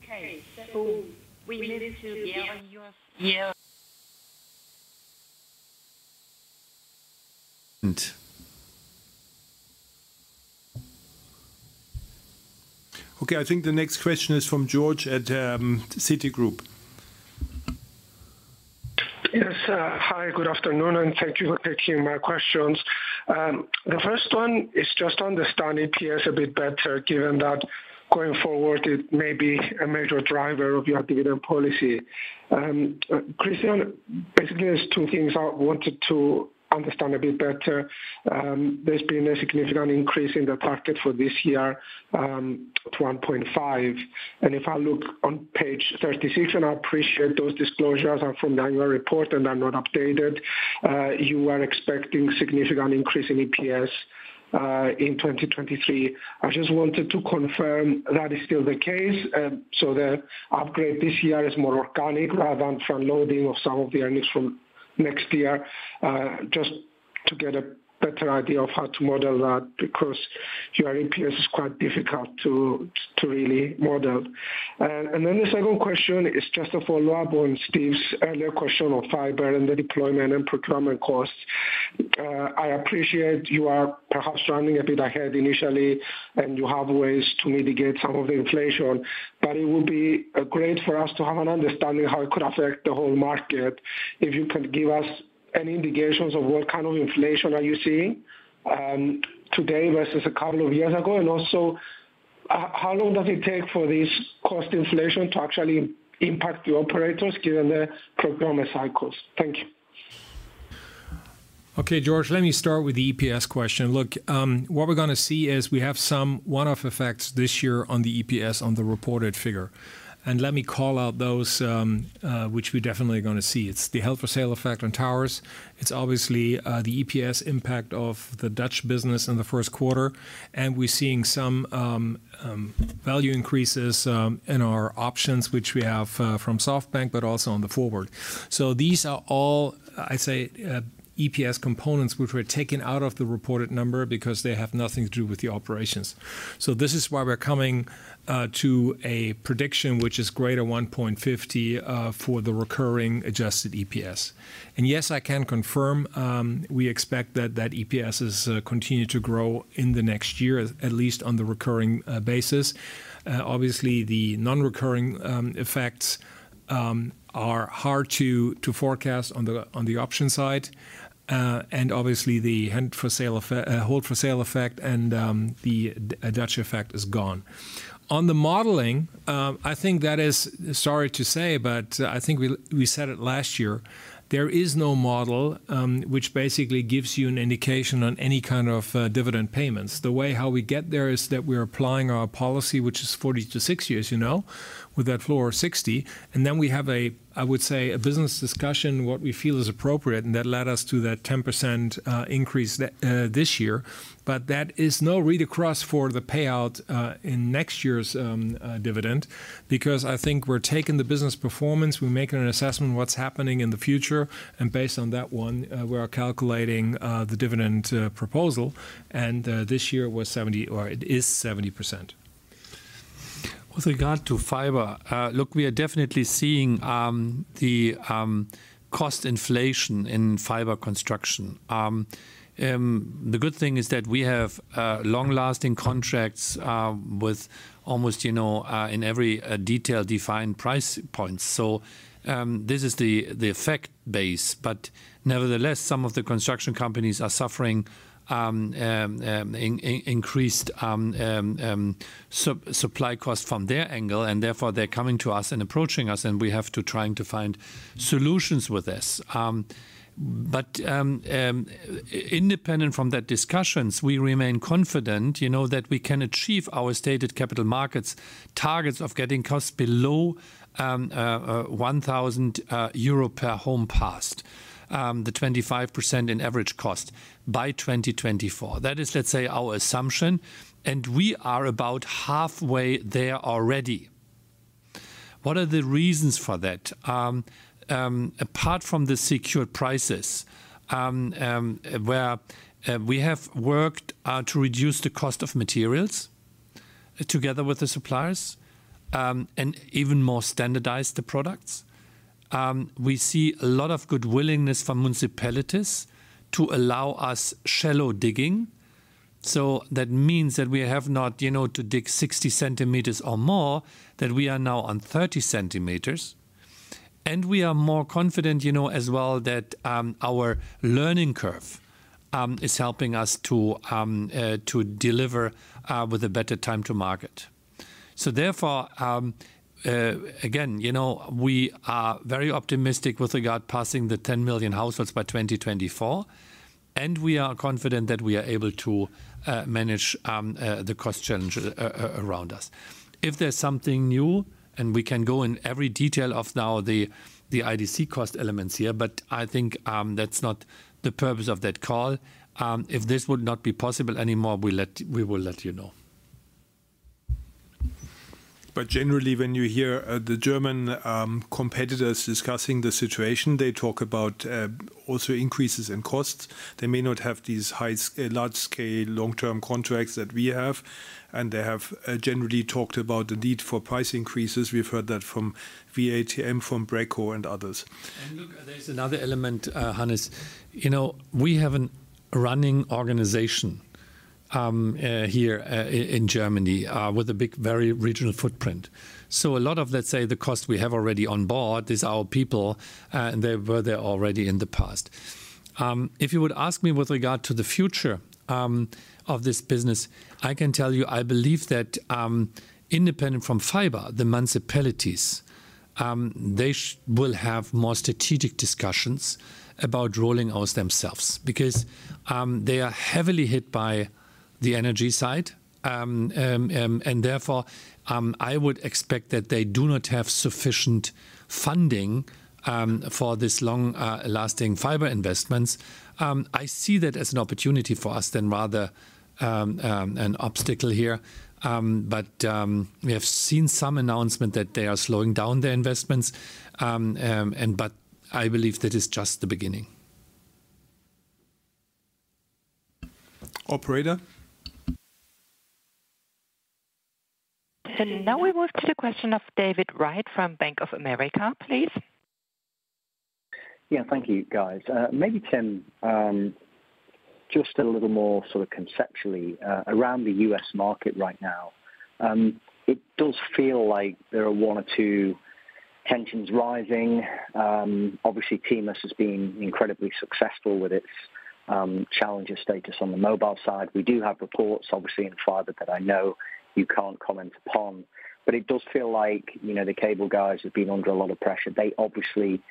Okay. We move to Okay. I think the next question is from George at Citigroup. Yes. Hi, good afternoon, and thank you for taking my questions. The first one is just to understand EPS a bit better, given that going forward, it may be a major driver of your dividend policy. Christian, basically, there's two things I wanted to understand a bit better. There's been a significant increase in the target for this year, to 1.5. If I look on page 36, and I appreciate those disclosures are from the annual report and are not updated, you are expecting significant increase in EPS, in 2023. I just wanted to confirm that is still the case. The upgrade this year is more organic rather than front-loading of some of the earnings from next year, just to get a better idea of how to model that because your EPS is quite difficult to really model. The second question is just a follow-up on Steve's earlier question on fiber and the deployment and procurement costs. I appreciate you are perhaps running a bit ahead initially, and you have ways to mitigate some of the inflation. It would be great for us to have an understanding how it could affect the whole market, if you can give us any indications of what kind of inflation are you seeing today versus a couple of years ago. How long does it take for this cost inflation to actually impact the operators given the procurement cycles? Thank you. Okay, George, let me start with the EPS question. Look, what we're gonna see is we have some one-off effects this year on the EPS on the reported figure. Let me call out those, which we're definitely gonna see. It's the held-for-sale effect on towers. It's obviously, the EPS impact of the Dutch business in the first quarter. We're seeing some value increases in our options, which we have from SoftBank, but also on the forward. These are all, I'd say, EPS components which were taken out of the reported number because they have nothing to do with the operations. This is why we're coming to a prediction which is greater than 1.50 for the recurring adjusted EPS. Yes, I can confirm, we expect that EPS is continue to grow in the next year, at least on the recurring basis. Obviously, the non-recurring effects are hard to forecast on the option side. Obviously the held for sale effect and the Dutch effect is gone. On the modeling, I think sorry to say, but I think we said it last year, there is no model which basically gives you an indication on any kind of dividend payments. The way how we get there is that we're applying our policy, which is 40%-60%, you know, with that floor of €0.60. We have a, I would say, a business discussion, what we feel is appropriate, and that led us to that 10% increase this year. But that is no read-across for the payout in next year's dividend, because I think we're taking the business performance, we're making an assessment of what's happening in the future, and based on that one, we are calculating the dividend proposal. This year was 70%, or it is 70%. With regard to fiber, look, we are definitely seeing cost inflation in fiber construction. The good thing is that we have long-lasting contracts with almost, you know, in every detail defined price points. This is the base effect. Nevertheless, some of the construction companies are suffering increased supply costs from their angle, and therefore, they're coming to us and approaching us, and we have to trying to find solutions with this. Independent from the discussions, we remain confident, you know, that we can achieve our stated capital markets targets of getting costs below 1,000 euro per home passed, the 25% in average cost by 2024. That is, let's say, our assumption, and we are about halfway there already. What are the reasons for that? Apart from the secured prices, where we have worked to reduce the cost of materials together with the suppliers, and even more standardized the products. We see a lot of good willingness from municipalities to allow us shallow digging. That means that we have not, you know, to dig 60 centimeters or more, that we are now on 30 centimeters. We are more confident, you know, as well that our learning curve is helping us to deliver with a better time to market. Therefore, again, you know, we are very optimistic with regard to passing the 10 million households by 2024, and we are confident that we are able to manage the cost challenge around us. If there's something new, and we can go into every detail of the indirect cost elements here, but I think that's not the purpose of that call. If this would not be possible anymore, we will let you know. Generally, when you hear the German competitors discussing the situation, they talk about also increases in costs. They may not have these large-scale, long-term contracts that we have, and they have generally talked about the need for price increases. We've heard that from [V8] and from BREKO, and others. Look, there's another element, Hannes. You know, we have a running organization here in Germany with a big, very regional footprint. A lot of, let's say, the cost we have already on board is our people, and they were there already in the past. If you would ask me with regard to the future of this business, I can tell you I believe that, independent from fiber, the municipalities they will have more strategic discussions about rolling out themselves. Because they are heavily hit by the energy side. Therefore, I would expect that they do not have sufficient funding for this long lasting fiber investments. I see that as an opportunity for us rather than an obstacle here. We have seen some announcement that they are slowing down their investments. I believe that is just the beginning. Operator? Now we will go to the question of David Wright from Bank of America, please. Yeah. Thank you, guys. Maybe Tim, just a little more sort of conceptually, around the U.S. market right now. It does feel like there are one or two tensions rising. Obviously, T-Mobile has been incredibly successful with its challenger status on the mobile side. We do have reports, obviously, in fiber that I know you can't comment upon. But it does feel like, you know, the cable guys have been under a lot of pressure. They obviously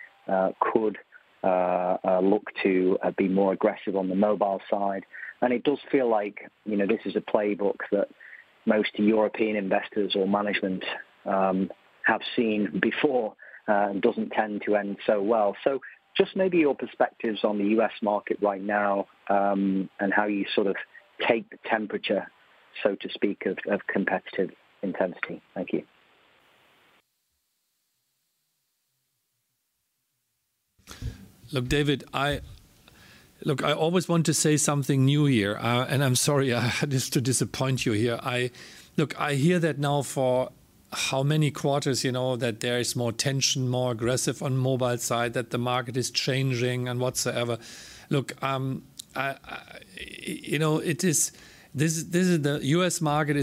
could look to be more aggressive on the mobile side. It does feel like, you know, this is a playbook that most European investors or management have seen before, and doesn't tend to end so well. Just maybe your perspectives on the U.S. market right now, and how you sort of take the temperature, so to speak, of competitive intensity. Thank you. Look, David, Look, I always want to say something new here. I'm sorry, just to disappoint you here. Look, I hear that now for how many quarters, you know, that there is more tension, more aggressive on mobile side, that the market is changing and whatsoever. Look, you know, this is the U.S. market.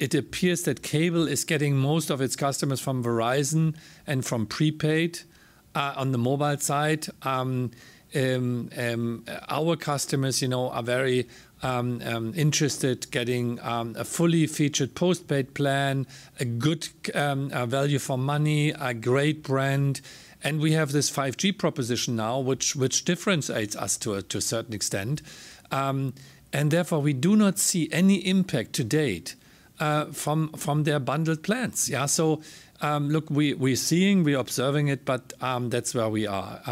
It appears that Cable is getting most of its customers from Verizon and from prepaid, on the mobile side. Our customers, you know, are very interested getting, a fully featured postpaid plan, a good, value for money, a great brand, and we have this 5G proposition now, which differentiates us to a certain extent. Therefore, we do not see any impact to date from their bundled plans. Yeah. Look, we're observing it, but that's where we are.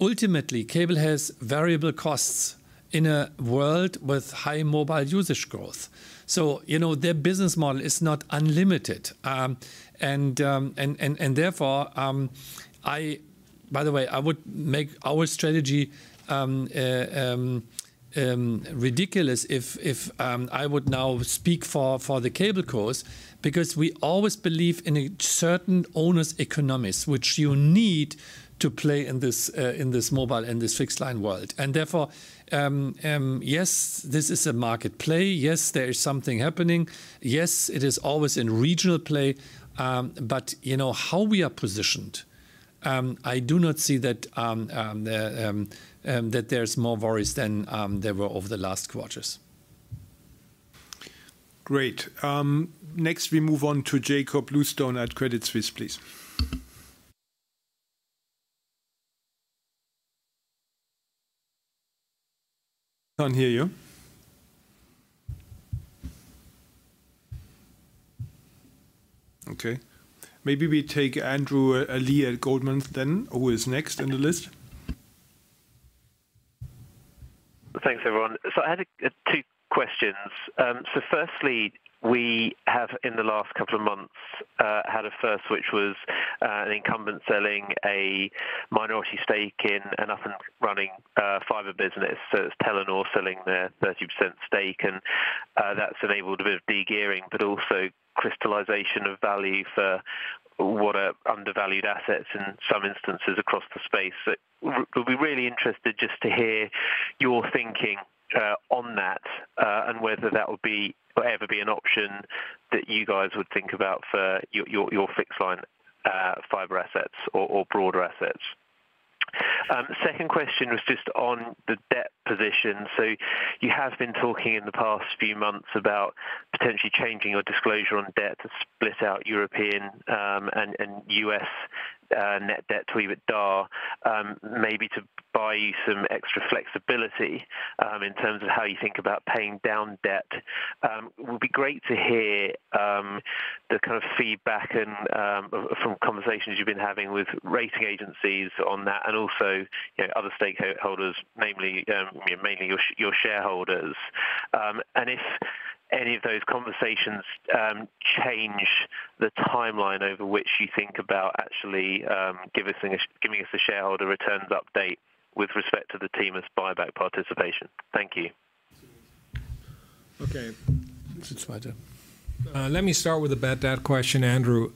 Ultimately, cable has variable costs in a world with high mobile usage growth. You know, their business model is not unlimited. Therefore, by the way, I would make our strategy ridiculous if I would now speak for the cable cos because we always believe in a certain owner's economics, which you need to play in this mobile and fixed line world. Therefore, yes, this is a market play. Yes, there is something happening. Yes, it is always in regional play. But you know how we are positioned. I do not see that there's more worries than there were over the last quarters. Great. Next, we move on to Jakob Bluestone at Credit Suisse, please. Can't hear you. Okay. Maybe we take Andrew Lee at Goldman Sachs then, who is next in the list. Thanks, everyone. I had two questions. Firstly, we have in the last couple of months had a first, which was an incumbent selling a minority stake in an up-and-running fiber business. It's Telenor selling their 30% stake, and that's enabled a bit of de-gearing, but also crystallization of value for what are undervalued assets in some instances across the space. We'll be really interested just to hear your thinking on that, and whether that would be or ever be an option that you guys would think about for your fixed line fiber assets or broader assets. Second question was just on the debt position. You have been talking in the past few months about potentially changing your disclosure on debt to split out European and U.S. net debt to EBITDA, maybe to buy you some extra flexibility in terms of how you think about paying down debt. It would be great to hear the kind of feedback from conversations you've been having with rating agencies on that and also, you know, other stakeholders, namely mainly your shareholders. If any of those conversations change the timeline over which you think about actually giving us a shareholder returns update with respect to the T-Mobile buyback participation. Thank you. Okay. Let me start with the bad debt question, Andrew.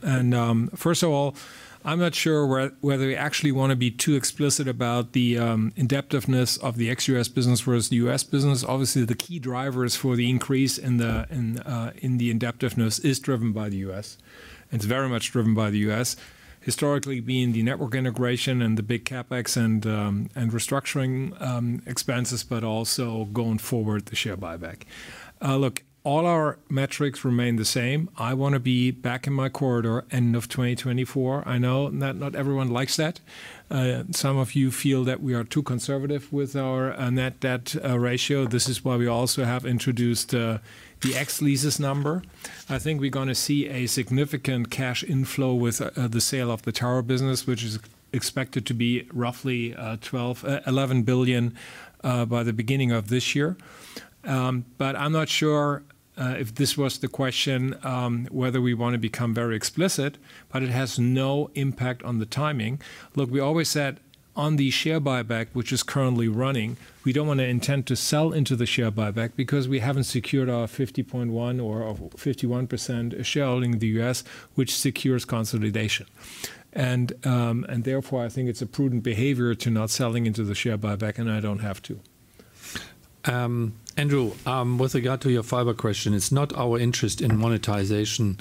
First of all, I'm not sure whether we actually wanna be too explicit about the indebtedness of the ex-U.S. business versus the U.S. business. Obviously, the key drivers for the increase in the indebtedness is driven by the U.S. It's very much driven by the U.S. Historically, being the network integration and the big CapEx and restructuring expenses, but also going forward, the share buyback. Look, all our metrics remain the same. I wanna be back in my corridor end of 2024. I know that not everyone likes that. Some of you feel that we are too conservative with our net debt ratio. This is why we also have introduced the ex leases number. I think we're gonna see a significant cash inflow with the sale of the tower business, which is expected to be roughly 11 billion by the beginning of this year. But I'm not sure if this was the question whether we wanna become very explicit, but it has no impact on the timing. Look, we always said on the share buyback, which is currently running, we don't wanna intend to sell into the share buyback because we haven't secured our 50.1 or our 51% shareholding in the U.S., which secures consolidation. Therefore, I think it's a prudent behavior to not selling into the share buyback, and I don't have to. Andrew, with regard to your fiber question, it's not our interest in monetization,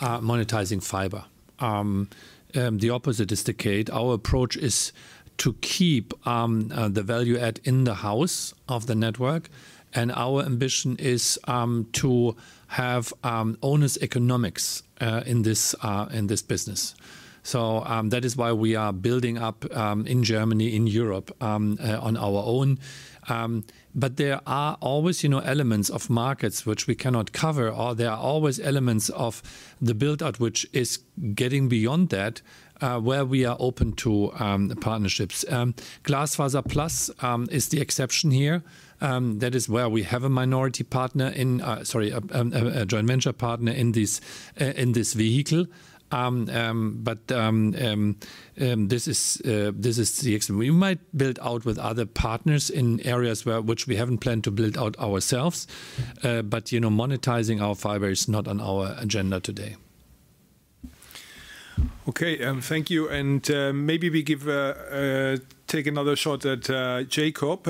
monetizing fiber. The opposite is the case. Our approach is to keep the value add in-house of the network, and our ambition is to have owners' economics in this business. That is why we are building up in Germany, in Europe, on our own. There are always, you know, elements of markets which we cannot cover, or there are always elements of the build-out which is getting beyond that, where we are open to partnerships. GlasfaserPlus is the exception here. That is where we have a minority partner, sorry, a joint venture partner in this vehicle. This is the extreme. We might build out with other partners in areas where we haven't planned to build out ourselves. You know, monetizing our fiber is not on our agenda today. Okay, thank you. Maybe take another shot at Jakob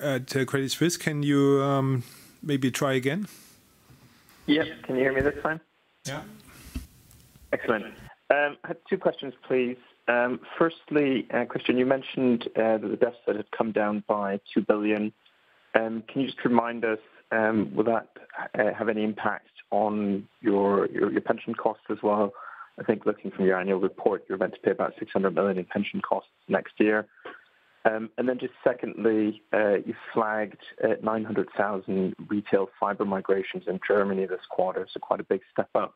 at Credit Suisse. Can you maybe try again? Yes. Can you hear me this time? Yeah. Excellent. I had two questions, please. Firstly, Christian, you mentioned that the deficit had come down by 2 billion. Can you just remind us, will that have any impact on your pension costs as well? I think looking at your annual report, you're meant to pay about 600 million in pension costs next year. Just secondly, you flagged 900,000 retail fiber migrations in Germany this quarter, so quite a big step up.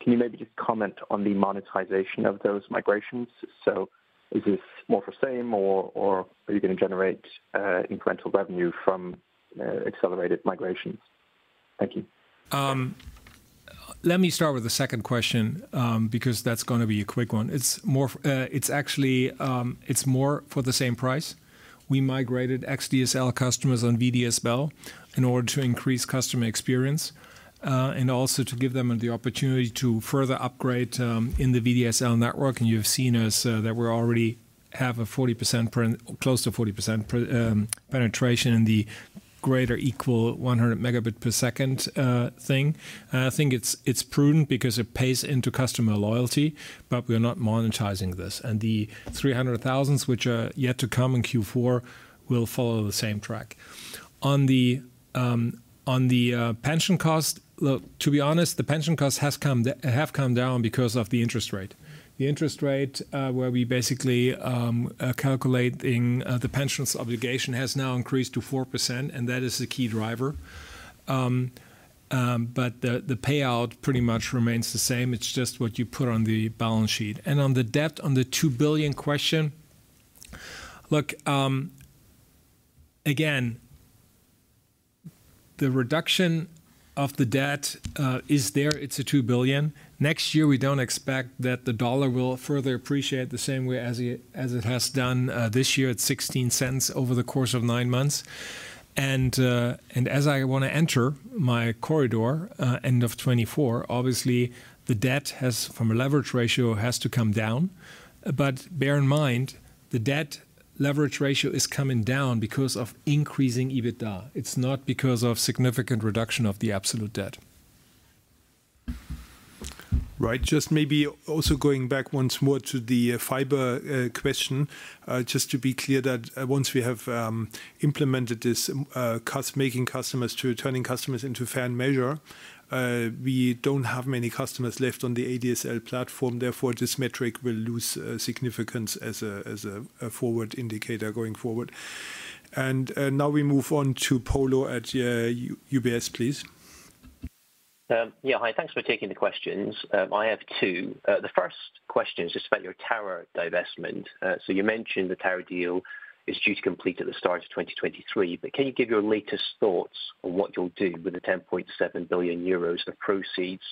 Can you maybe just comment on the monetization of those migrations? Is this more for same or are you gonna generate incremental revenue from accelerated migrations? Thank you. Let me start with the second question, because that's gonna be a quick one. It's actually more for the same price. We migrated ex-DSL customers on VDSL in order to increase customer experience, and also to give them the opportunity to further upgrade in the VDSL network. You have seen that we're already close to 40% penetration in the greater than or equal to 100 Mbps thing. I think it's prudent because it pays into customer loyalty, but we are not monetizing this. The 300,000, which are yet to come in Q4, will follow the same track. On the pension cost, look, to be honest, the pension cost has come down because of the interest rate. The interest rate where we basically calculating the pension obligation has now increased to 4%, and that is the key driver. The payout pretty much remains the same. It's just what you put on the balance sheet. On the debt, on the 2 billion question, look, again, the reduction of the debt is there. It's 2 billion. Next year, we don't expect that the U.S. dollar will further appreciate the same way as it has done this year at $0.16 over the course of nine months. As I wanna enter my corridor end of 2024, obviously the debt, from a leverage ratio, has to come down. Bear in mind, the debt leverage ratio is coming down because of increasing EBITDA. It's not because of significant reduction of the absolute debt. Right. Just maybe also going back once more to the fiber question. Just to be clear that once we have implemented this, making customers to turning customers into fiber measure, we don't have many customers left on the ADSL platform. Therefore, this metric will lose significance as a forward indicator going forward. Now we move on to Polo at UBS, please. Yeah, hi. Thanks for taking the questions. I have two. The first question is just about your tower divestment. So you mentioned the tower deal is due to complete at the start of 2023, but can you give your latest thoughts on what you'll do with the 10.7 billion euros of proceeds?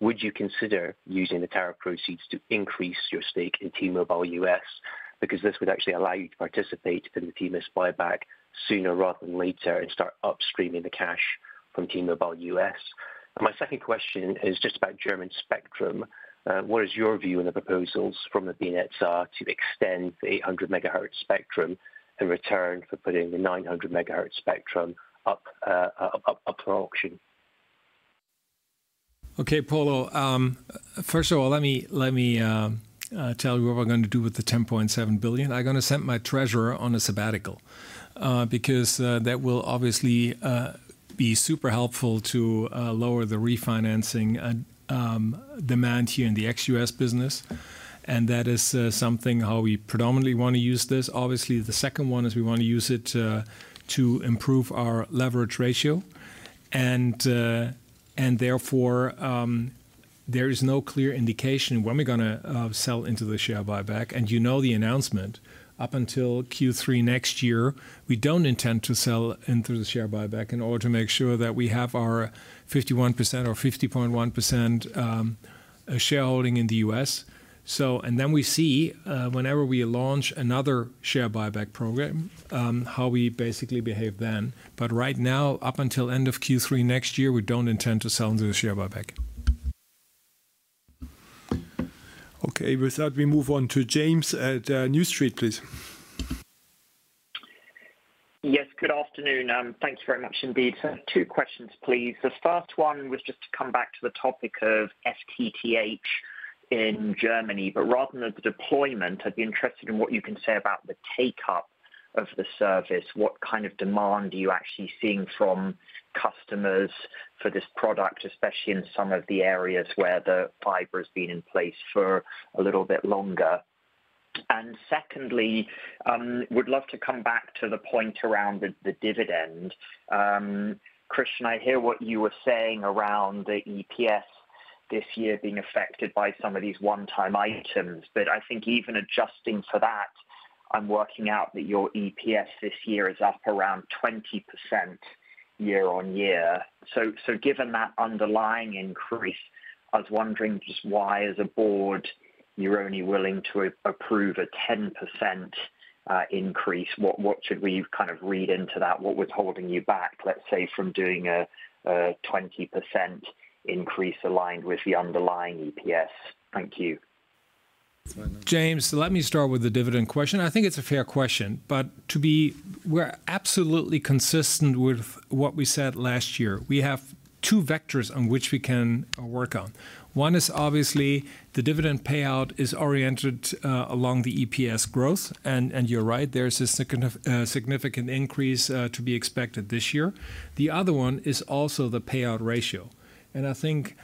Would you consider using the tower proceeds to increase your stake in T-Mobile U.S.? Because this would actually allow you to participate in the T-Mobile buyback sooner rather than later and start upstreaming the cash from T-Mobile U.S.. My second question is just about German spectrum. What is your view on the proposals from the BNetzA to extend the 800 megahertz spectrum in return for putting the 900 megahertz spectrum up for auction? Okay, Polo. First of all, let me tell you what we're gonna do with the 10.7 billion. I'm gonna send my treasurer on a sabbatical because that will obviously be super helpful to lower the refinancing demand here in the ex-U.S. business, and that is how we predominantly wanna use this. Obviously, the second one is we wanna use it to improve our leverage ratio. Therefore, there is no clear indication when we're gonna sell into the share buyback. You know the announcement. Up until Q3 next year, we don't intend to sell in through the share buyback in order to make sure that we have our 51% or 50.1% shareholding in the U.S. We see whenever we launch another share buyback program how we basically behave then. Right now, up until end of Q3 next year, we don't intend to sell into the share buyback. Okay. With that, we move on to James at New Street, please. Yes, good afternoon. Thanks very much indeed. Two questions, please. The first one was just to come back to the topic of FTTH in Germany. Rather than the deployment, I'd be interested in what you can say about the take-up of the service. What kind of demand are you actually seeing from customers for this product, especially in some of the areas where the fiber's been in place for a little bit longer? Secondly, would love to come back to the point around the dividend. Christian, I hear what you were saying around the EPS this year being affected by some of these one-time items. I think even adjusting for that, I'm working out that your EPS this year is up around 20% year-on-year. Given that underlying increase, I was wondering just why as a board, you're only willing to approve a 10% increase. What should we kind of read into that? What was holding you back, let's say, from doing a 20% increase aligned with the underlying EPS? Thank you. James, let me start with the dividend question. I think it's a fair question. We're absolutely consistent with what we said last year. We have two vectors on which we can work on. One is obviously the dividend payout is oriented along the EPS growth, and you're right, there's a significant increase to be expected this year. The other one is also the payout ratio. I think,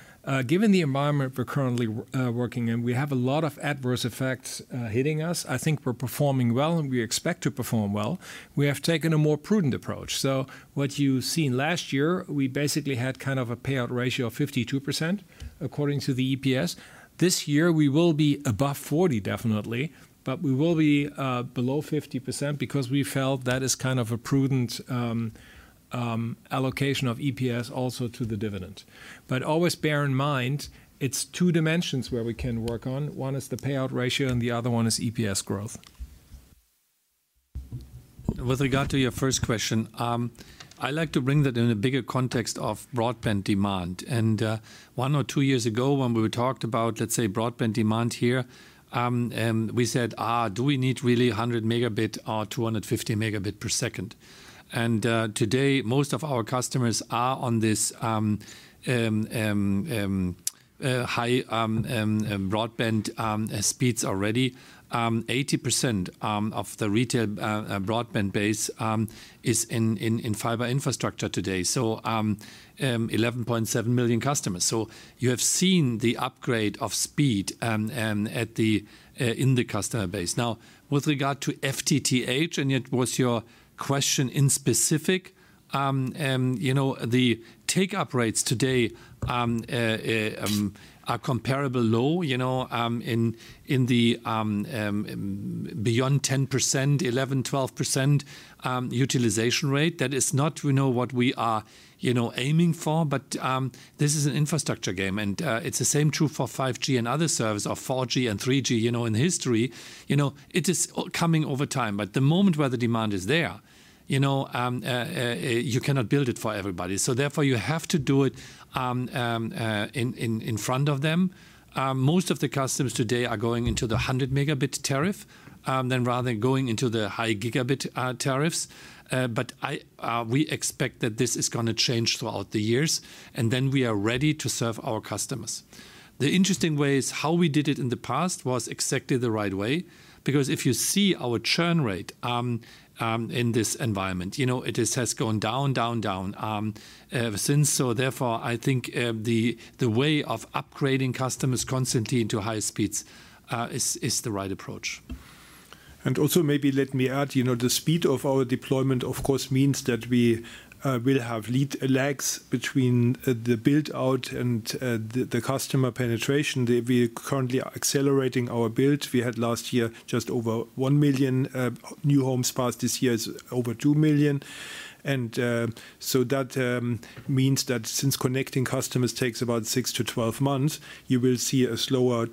given the environment we're currently working in, we have a lot of adverse effects hitting us. I think we're performing well, and we expect to perform well. We have taken a more prudent approach. What you've seen last year, we basically had kind of a payout ratio of 52% according to the EPS. This year, we will be above 40%, definitely, but we will be below 50% because we felt that is kind of a prudent. Allocation of EPS also to the dividend. Always bear in mind, it's two dimensions where we can work on. One is the payout ratio, and the other one is EPS growth. With regard to your first question, I like to bring that in a bigger context of broadband demand. One or two years ago, when we talked about, let's say, broadband demand here, and we said, "Do we need really 100 Mb or 250 Mb per second?" Today, most of our customers are on this high broadband speeds already. 80% of the retail broadband base is in fiber infrastructure today, so 11.7 million customers. You have seen the upgrade of speed in the customer base. Now, with regard to FTTH, it was your question in specific, you know, the take-up rates today are comparably low, you know, in the beyond 10%, 11, 12% utilization rate. That is not, we know, what we are, you know, aiming for, but this is an infrastructure game. It's the same true for 5G and other service or 4G and 3G, you know, in history. You know, it is coming over time. The moment where the demand is there, you know, you cannot build it for everybody. Therefore, you have to do it in front of them. Most of the customers today are going into the 100 Mb tariff rather than going into the high gigabit tariffs. We expect that this is gonna change throughout the years, and then we are ready to serve our customers. The interesting way is how we did it in the past was exactly the right way. Because if you see our churn rate, in this environment, you know, it has gone down ever since. Therefore, I think, the way of upgrading customers constantly into higher speeds is the right approach. Also, maybe let me add, you know, the speed of our deployment, of course, means that we will have lead lags between the build-out and the customer penetration. We currently are accelerating our build. We had last year just over 1 million new homes passed. This year is over 2 million. So that means that since connecting customers takes about 6-12 months, you will see a slower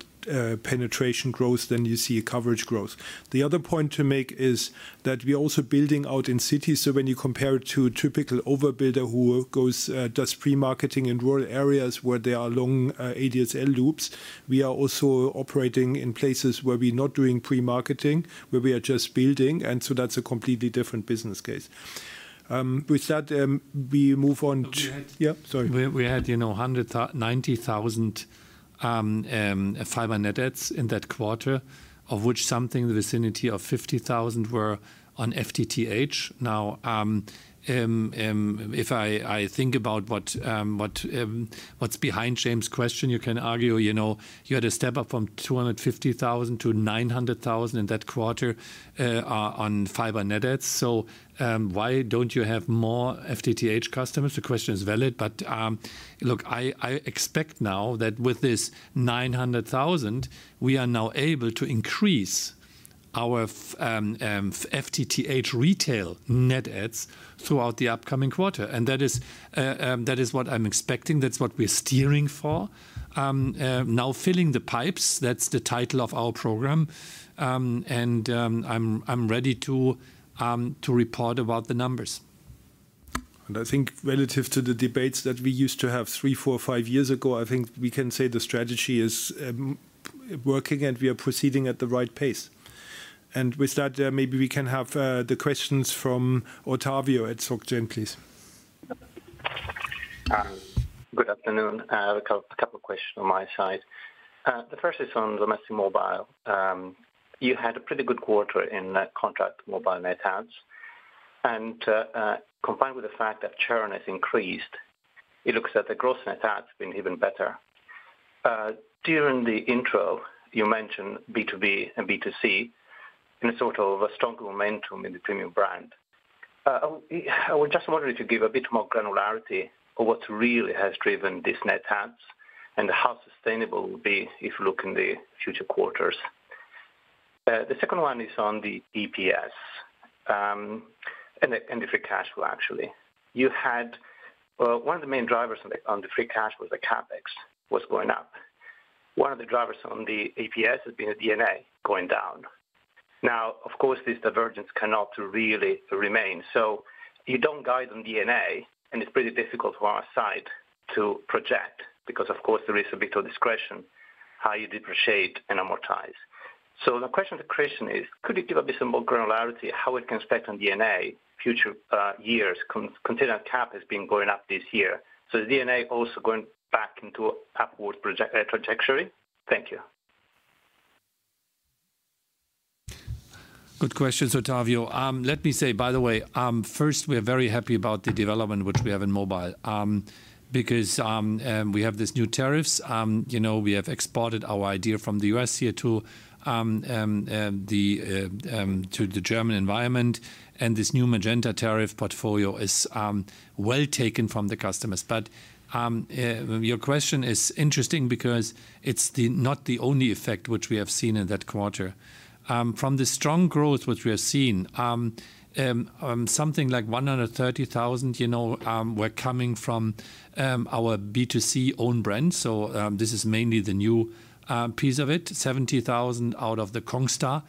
penetration growth than you see a coverage growth. The other point to make is that we're also building out in cities. So when you compare it to a typical overbuilder who goes, does pre-marketing in rural areas where there are long ADSL loops, we are also operating in places where we're not doing pre-marketing, where we are just building. So that's a completely different business case. With that, we move on to. We had. Yeah, sorry. We had, you know, 90,000 fiber net adds in that quarter, of which something in the vicinity of 50,000 were on FTTH. Now, if I think about what's behind James' question, you can argue, you know, you had a step up from 250,000 to 900,000 in that quarter on fiber net adds. Why don't you have more FTTH customers? The question is valid. Look, I expect now that with this 900,000, we are now able to increase our FTTH retail net adds throughout the upcoming quarter. That is what I'm expecting. That's what we're steering for. Now filling the pipes, that's the title of our program. I'm ready to report about the numbers. I think relative to the debates that we used to have three, four, five years ago, I think we can say the strategy is working, and we are proceeding at the right pace. With that, maybe we can have the questions from Ottavio at SocGen, please. Good afternoon. A couple of questions on my side. The first is on domestic mobile. You had a pretty good quarter in contract mobile net adds. Combined with the fact that churn has increased, it looks that the gross net add's been even better. During the intro, you mentioned B2B and B2C in a sort of a strong momentum in the premium brand. I just wondered if you could give a bit more granularity of what really has driven this net adds and how sustainable it will be if you look in the future quarters. The second one is on the EPS, and the free cash flow, actually. You had one of the main drivers on the free cash was the CapEx was going up. One of the drivers on the EPS has been the D&A going down. Now, of course, this divergence cannot really remain. You don't guide on D&A, and it's pretty difficult for our side to project because, of course, there is a bit of discretion how you depreciate and amortize. The question to Christian is, could you give a bit more granularity how we can expect on D&A future years considering our CapEx has been going up this year. Is D&A also going back into upward trajectory? Thank you. Good question, Ottavio. Let me say, by the way, first, we are very happy about the development which we have in mobile, because we have these new tariffs. You know, we have exported our idea from the U.S. here to the German environment, and this new Magenta tariff portfolio is well taken from the customers. Your question is interesting because it's not the only effect which we have seen in that quarter. From the strong growth which we are seeing, something like 130,000, you know, were coming from our B2C own brand. This is mainly the new piece of it, 70,000 out of the Congstar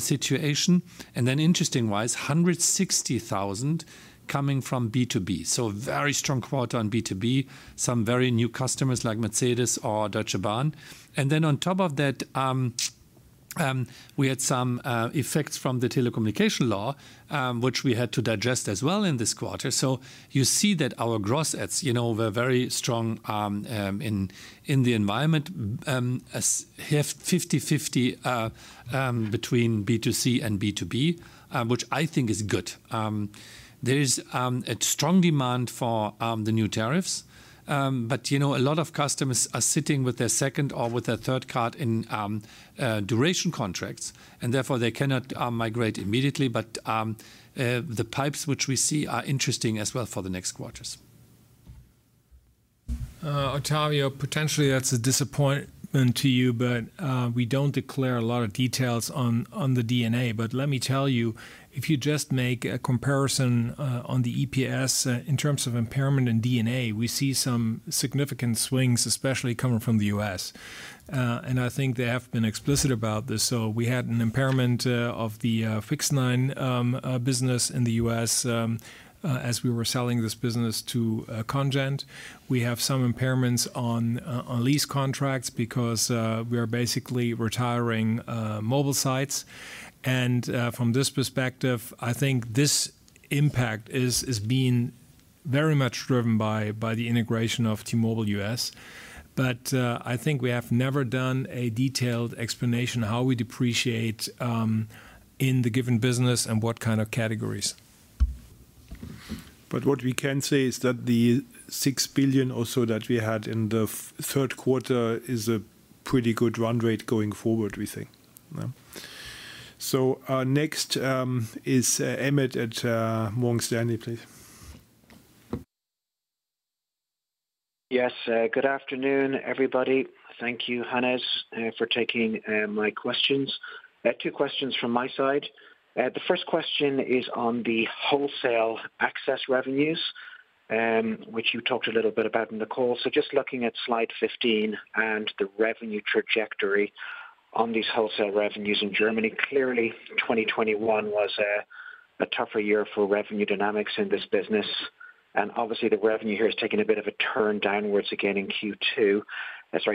situation. Interestingly, 160,000 coming from B2B, so very strong quarter on B2B, some very new customers like Mercedes or Deutsche Bahn. On top of that, we had some effects from the telecommunications law, which we had to digest as well in this quarter. You see that our gross adds, you know, were very strong in the environment, 50/50 between B2C and B2B, which I think is good. There is a strong demand for the new tariffs. You know, a lot of customers are sitting with their second or with their third card in duration contracts, and therefore they cannot migrate immediately. The pipeline we see is interesting as well for the next quarters. Ottavio, potentially that's a disappointment to you, but we don't declare a lot of details on the D&A. Let me tell you, if you just make a comparison on the EPS in terms of impairment in D&A, we see some significant swings, especially coming from the U.S. I think they have been explicit about this. We had an impairment of the wireline business in the U.S. as we were selling this business to Cogent. We have some impairments on lease contracts because we are basically retiring mobile sites. From this perspective, I think this impact is being very much driven by the integration of T-Mobile U.S.. I think we have never done a detailed explanation how we depreciate in the given business and what kind of categories. What we can say is that the 6 billion or so that we had in the third quarter is a pretty good run rate going forward, we think. Yeah. Next, is Emmet at Morgan Stanley, please. Yes. Good afternoon, everybody. Thank you, Hannes, for taking my questions. I have two questions from my side. The first question is on the wholesale access revenues, which you talked a little bit about in the call. Just looking at slide 15 and the revenue trajectory on these wholesale revenues in Germany. Clearly, 2021 was a tougher year for revenue dynamics in this business, and obviously the revenue here has taken a bit of a turn downwards again in Q3.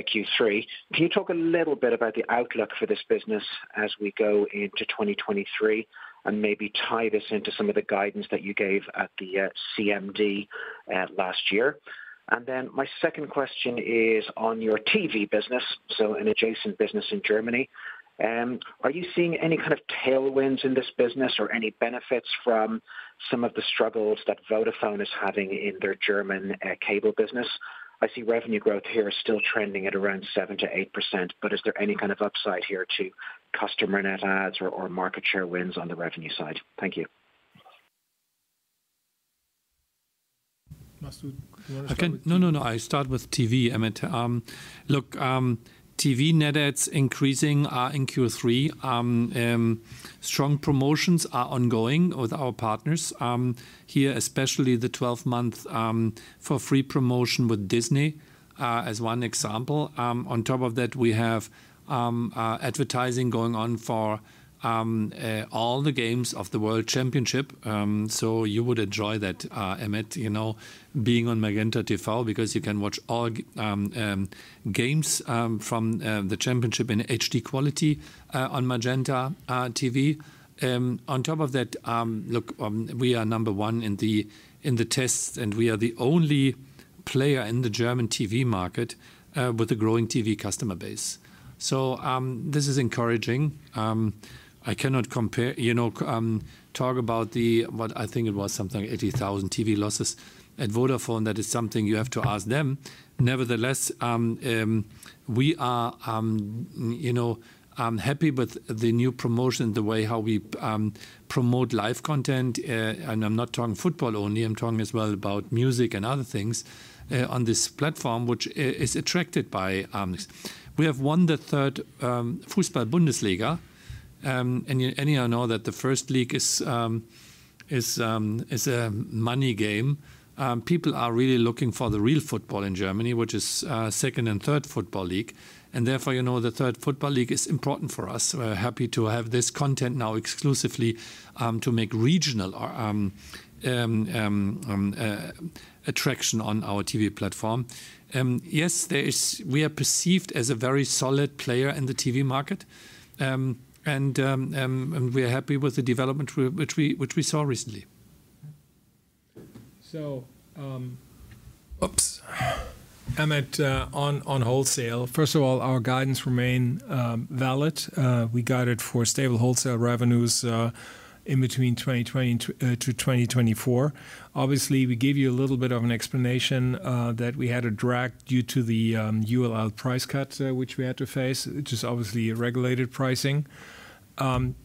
Can you talk a little bit about the outlook for this business as we go into 2023 and maybe tie this into some of the guidance that you gave at the CMD last year? My second question is on your TV business, so an adjacent business in Germany. Are you seeing any kind of tailwinds in this business or any benefits from some of the struggles that Vodafone is having in their German cable business? I see revenue growth here is still trending at around 7%-8%, but is there any kind of upside here to customer net adds or market share wins on the revenue side? Thank you. [Masood, you wanna start with this? I can. No, no. I start with TV, Emmet. Look, TV net adds increasing in Q3. Strong promotions are ongoing with our partners here, especially the 12-month for free promotion with Disney+, as one example. On top of that, we have advertising going on for all the games of the world championship. You would enjoy that, Emmet, you know, being on MagentaTV because you can watch all games from the championship in HD quality on MagentaTV. On top of that, look, we are number one in the tests, and we are the only player in the German TV market with a growing TV customer base. This is encouraging. I cannot compare, you know, talk about the what I think it was something 80,000 TV losses at Vodafone. That is something you have to ask them. Nevertheless, we are, you know, happy with the new promotion, the way how we promote live content. I'm not talking football only, I'm talking as well about music and other things on this platform, which is attracted by this. We have won the third Fußball-Bundesliga. You know that the first league is a money game. People are really looking for the real football in Germany, which is second and third football league. Therefore, you know, the third football league is important for us. We're happy to have this content now exclusively to make regional traction on our TV platform. Yes, we are perceived as a very solid player in the TV market. We are happy with the development which we saw recently. Oops. Emmet, on wholesale. First of all, our guidance remain valid. We got it for stable wholesale revenues in between 2020 to 2024. Obviously, we gave you a little bit of an explanation that we had a drag due to the ULL price cut which we had to face, which is obviously a regulated pricing. Going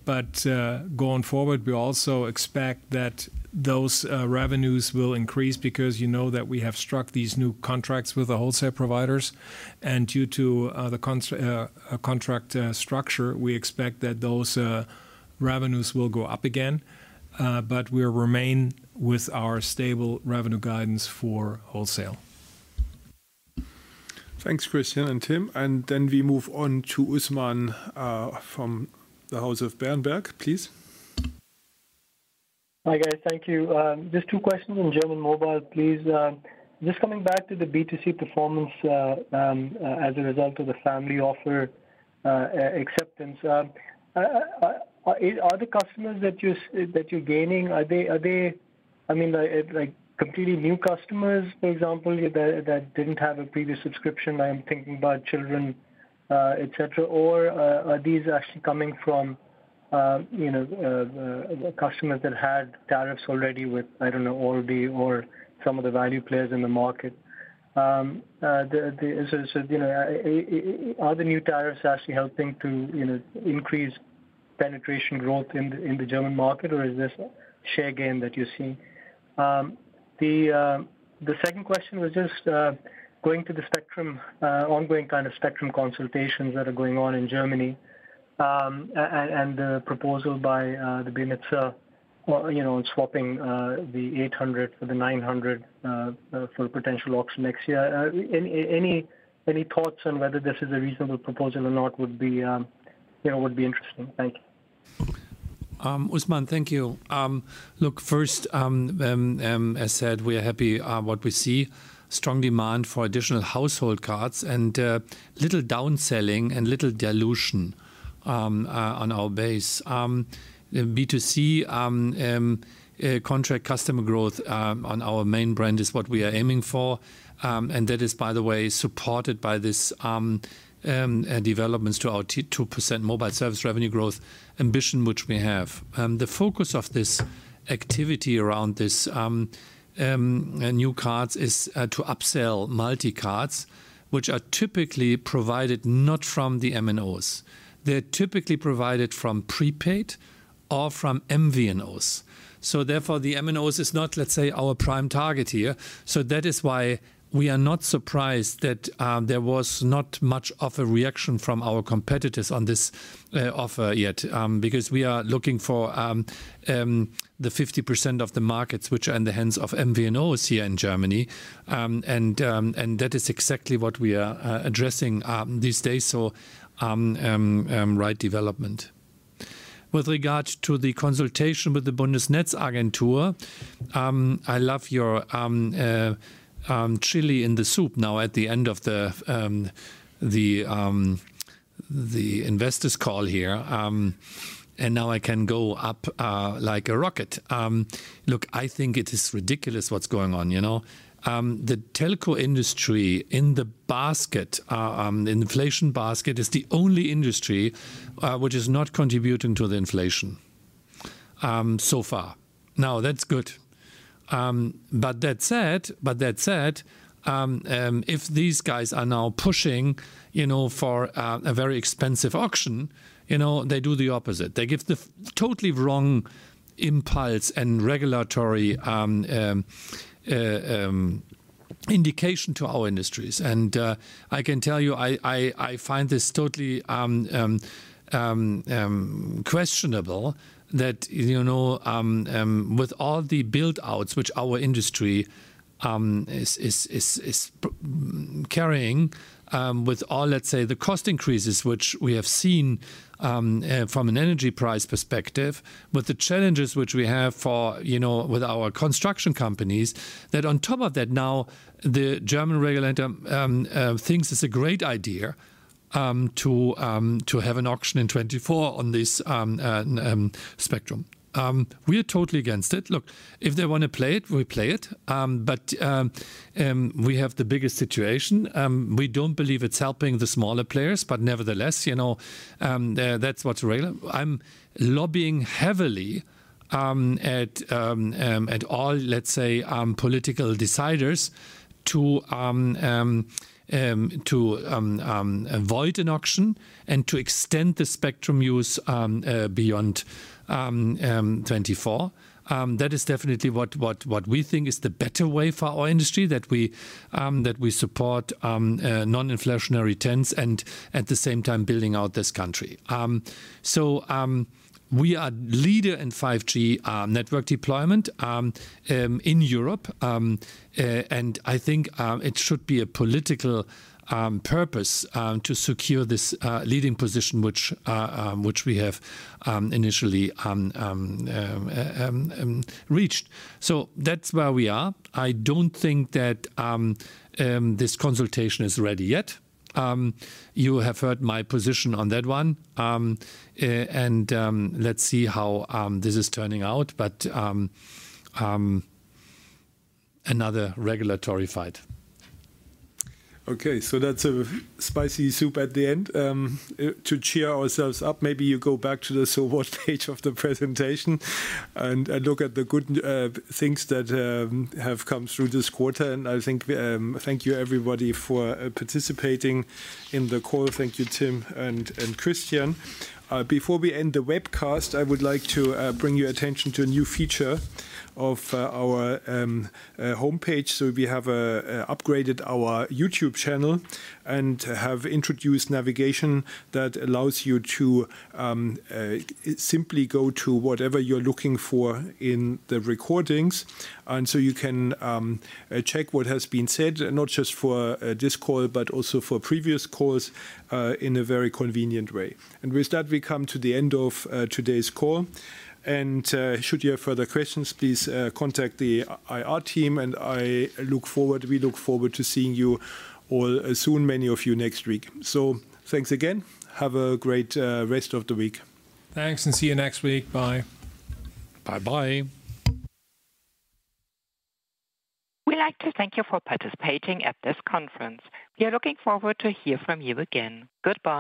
forward, we also expect that those revenues will increase because you know that we have struck these new contracts with the wholesale providers. Due to the contract structure, we expect that those revenues will go up again. We'll remain with our stable revenue guidance for wholesale. Thanks, Christian and Tim. We move on to Usman from Berenberg, please. Hi, guys. Thank you. Just two questions on German mobile, please. Just coming back to the B2C performance, as a result of the family offer acceptance. Are the customers that you're gaining, are they, I mean, like, completely new customers, for example, that didn't have a previous subscription? I'm thinking about children, et cetera. Or, are these actually coming from, you know, customers that had tariffs already with, I don't know, or the, or some of the value players in the market? So, you know, are the new tariffs actually helping to, you know, increase penetration growth in the German market, or is this share gain that you're seeing? The second question was just going to the spectrum, ongoing kind of spectrum consultations that are going on in Germany, and the proposal by the Bundesnetzagentur, you know, on swapping the 800 for the 900 for potential auction next year. Any thoughts on whether this is a reasonable proposal or not would be, you know, interesting. Thank you. Usman, thank you. Look, first, as said, we are happy with what we see. Strong demand for additional household cards and little downselling and little dilution on our base. B2C contract customer growth on our main brand is what we are aiming for. That is, by the way, supported by these developments to our 2% mobile service revenue growth ambition which we have. The focus of this activity around these new cards is to upsell multi-cards, which are typically provided not from the MNOs. They're typically provided from prepaid or from MVNOs. Therefore, the MNOs is not, let's say, our prime target here. That is why we are not surprised that there was not much of a reaction from our competitors on this offer yet, because we are looking for the 50% of the markets which are in the hands of MVNOs here in Germany. That is exactly what we are addressing these days. Right development. With regard to the consultation with the Bundesnetzagentur, I love your chili in the soup now at the end of the investors call here. Now I can go up like a rocket. Look, I think it is ridiculous what's going on, you know. The telco industry in the basket, the inflation basket, is the only industry which is not contributing to the inflation so far. Now, that's good. That said, if these guys are now pushing, you know, for a very expensive auction, you know, they do the opposite. They give the totally wrong impulse and regulatory indication to our industries. I can tell you, I find this totally questionable that, you know, with all the build outs which our industry is carrying, with all, let's say, the cost increases which we have seen, from an energy price perspective, with the challenges which we have for, you know, with our construction companies, that on top of that, now the German regulator thinks it's a great idea, to have an auction in 2024 on this spectrum. We are totally against it. Look, if they wanna play it, we play it. We have the biggest situation. We don't believe it's helping the smaller players, but nevertheless, you know, I'm lobbying heavily at all, let's say, political deciders to avoid an auction and to extend the spectrum use beyond 2024. That is definitely what we think is the better way for our industry, that we support non-inflationary tenets and at the same time building out this country. We are leader in 5G network deployment in Europe. I think it should be a political purpose to secure this leading position which we have initially reached. That's where we are. I don't think that this consultation is ready yet. You have heard my position on that one. Let's see how this is turning out. Another regulatory fight. Okay, that's a spicy soup at the end. To cheer ourselves up, maybe you go back to the so what page of the presentation and look at the good things that have come through this quarter. I think thank you everybody for participating in the call. Thank you, Tim and Christian. Before we end the webcast, I would like to bring your attention to a new feature of our homepage. We have upgraded our YouTube channel and have introduced navigation that allows you to simply go to whatever you're looking for in the recordings. You can check what has been said, not just for this call, but also for previous calls in a very convenient way. With that, we come to the end of today's call. Should you have further questions, please contact the IR team, and we look forward to seeing you all soon, many of you next week. Thanks again. Have a great rest of the week. Thanks, and see you next week. Bye. Bye-bye. We'd like to thank you for participating at this conference. We are looking forward to hear from you again. Goodbye.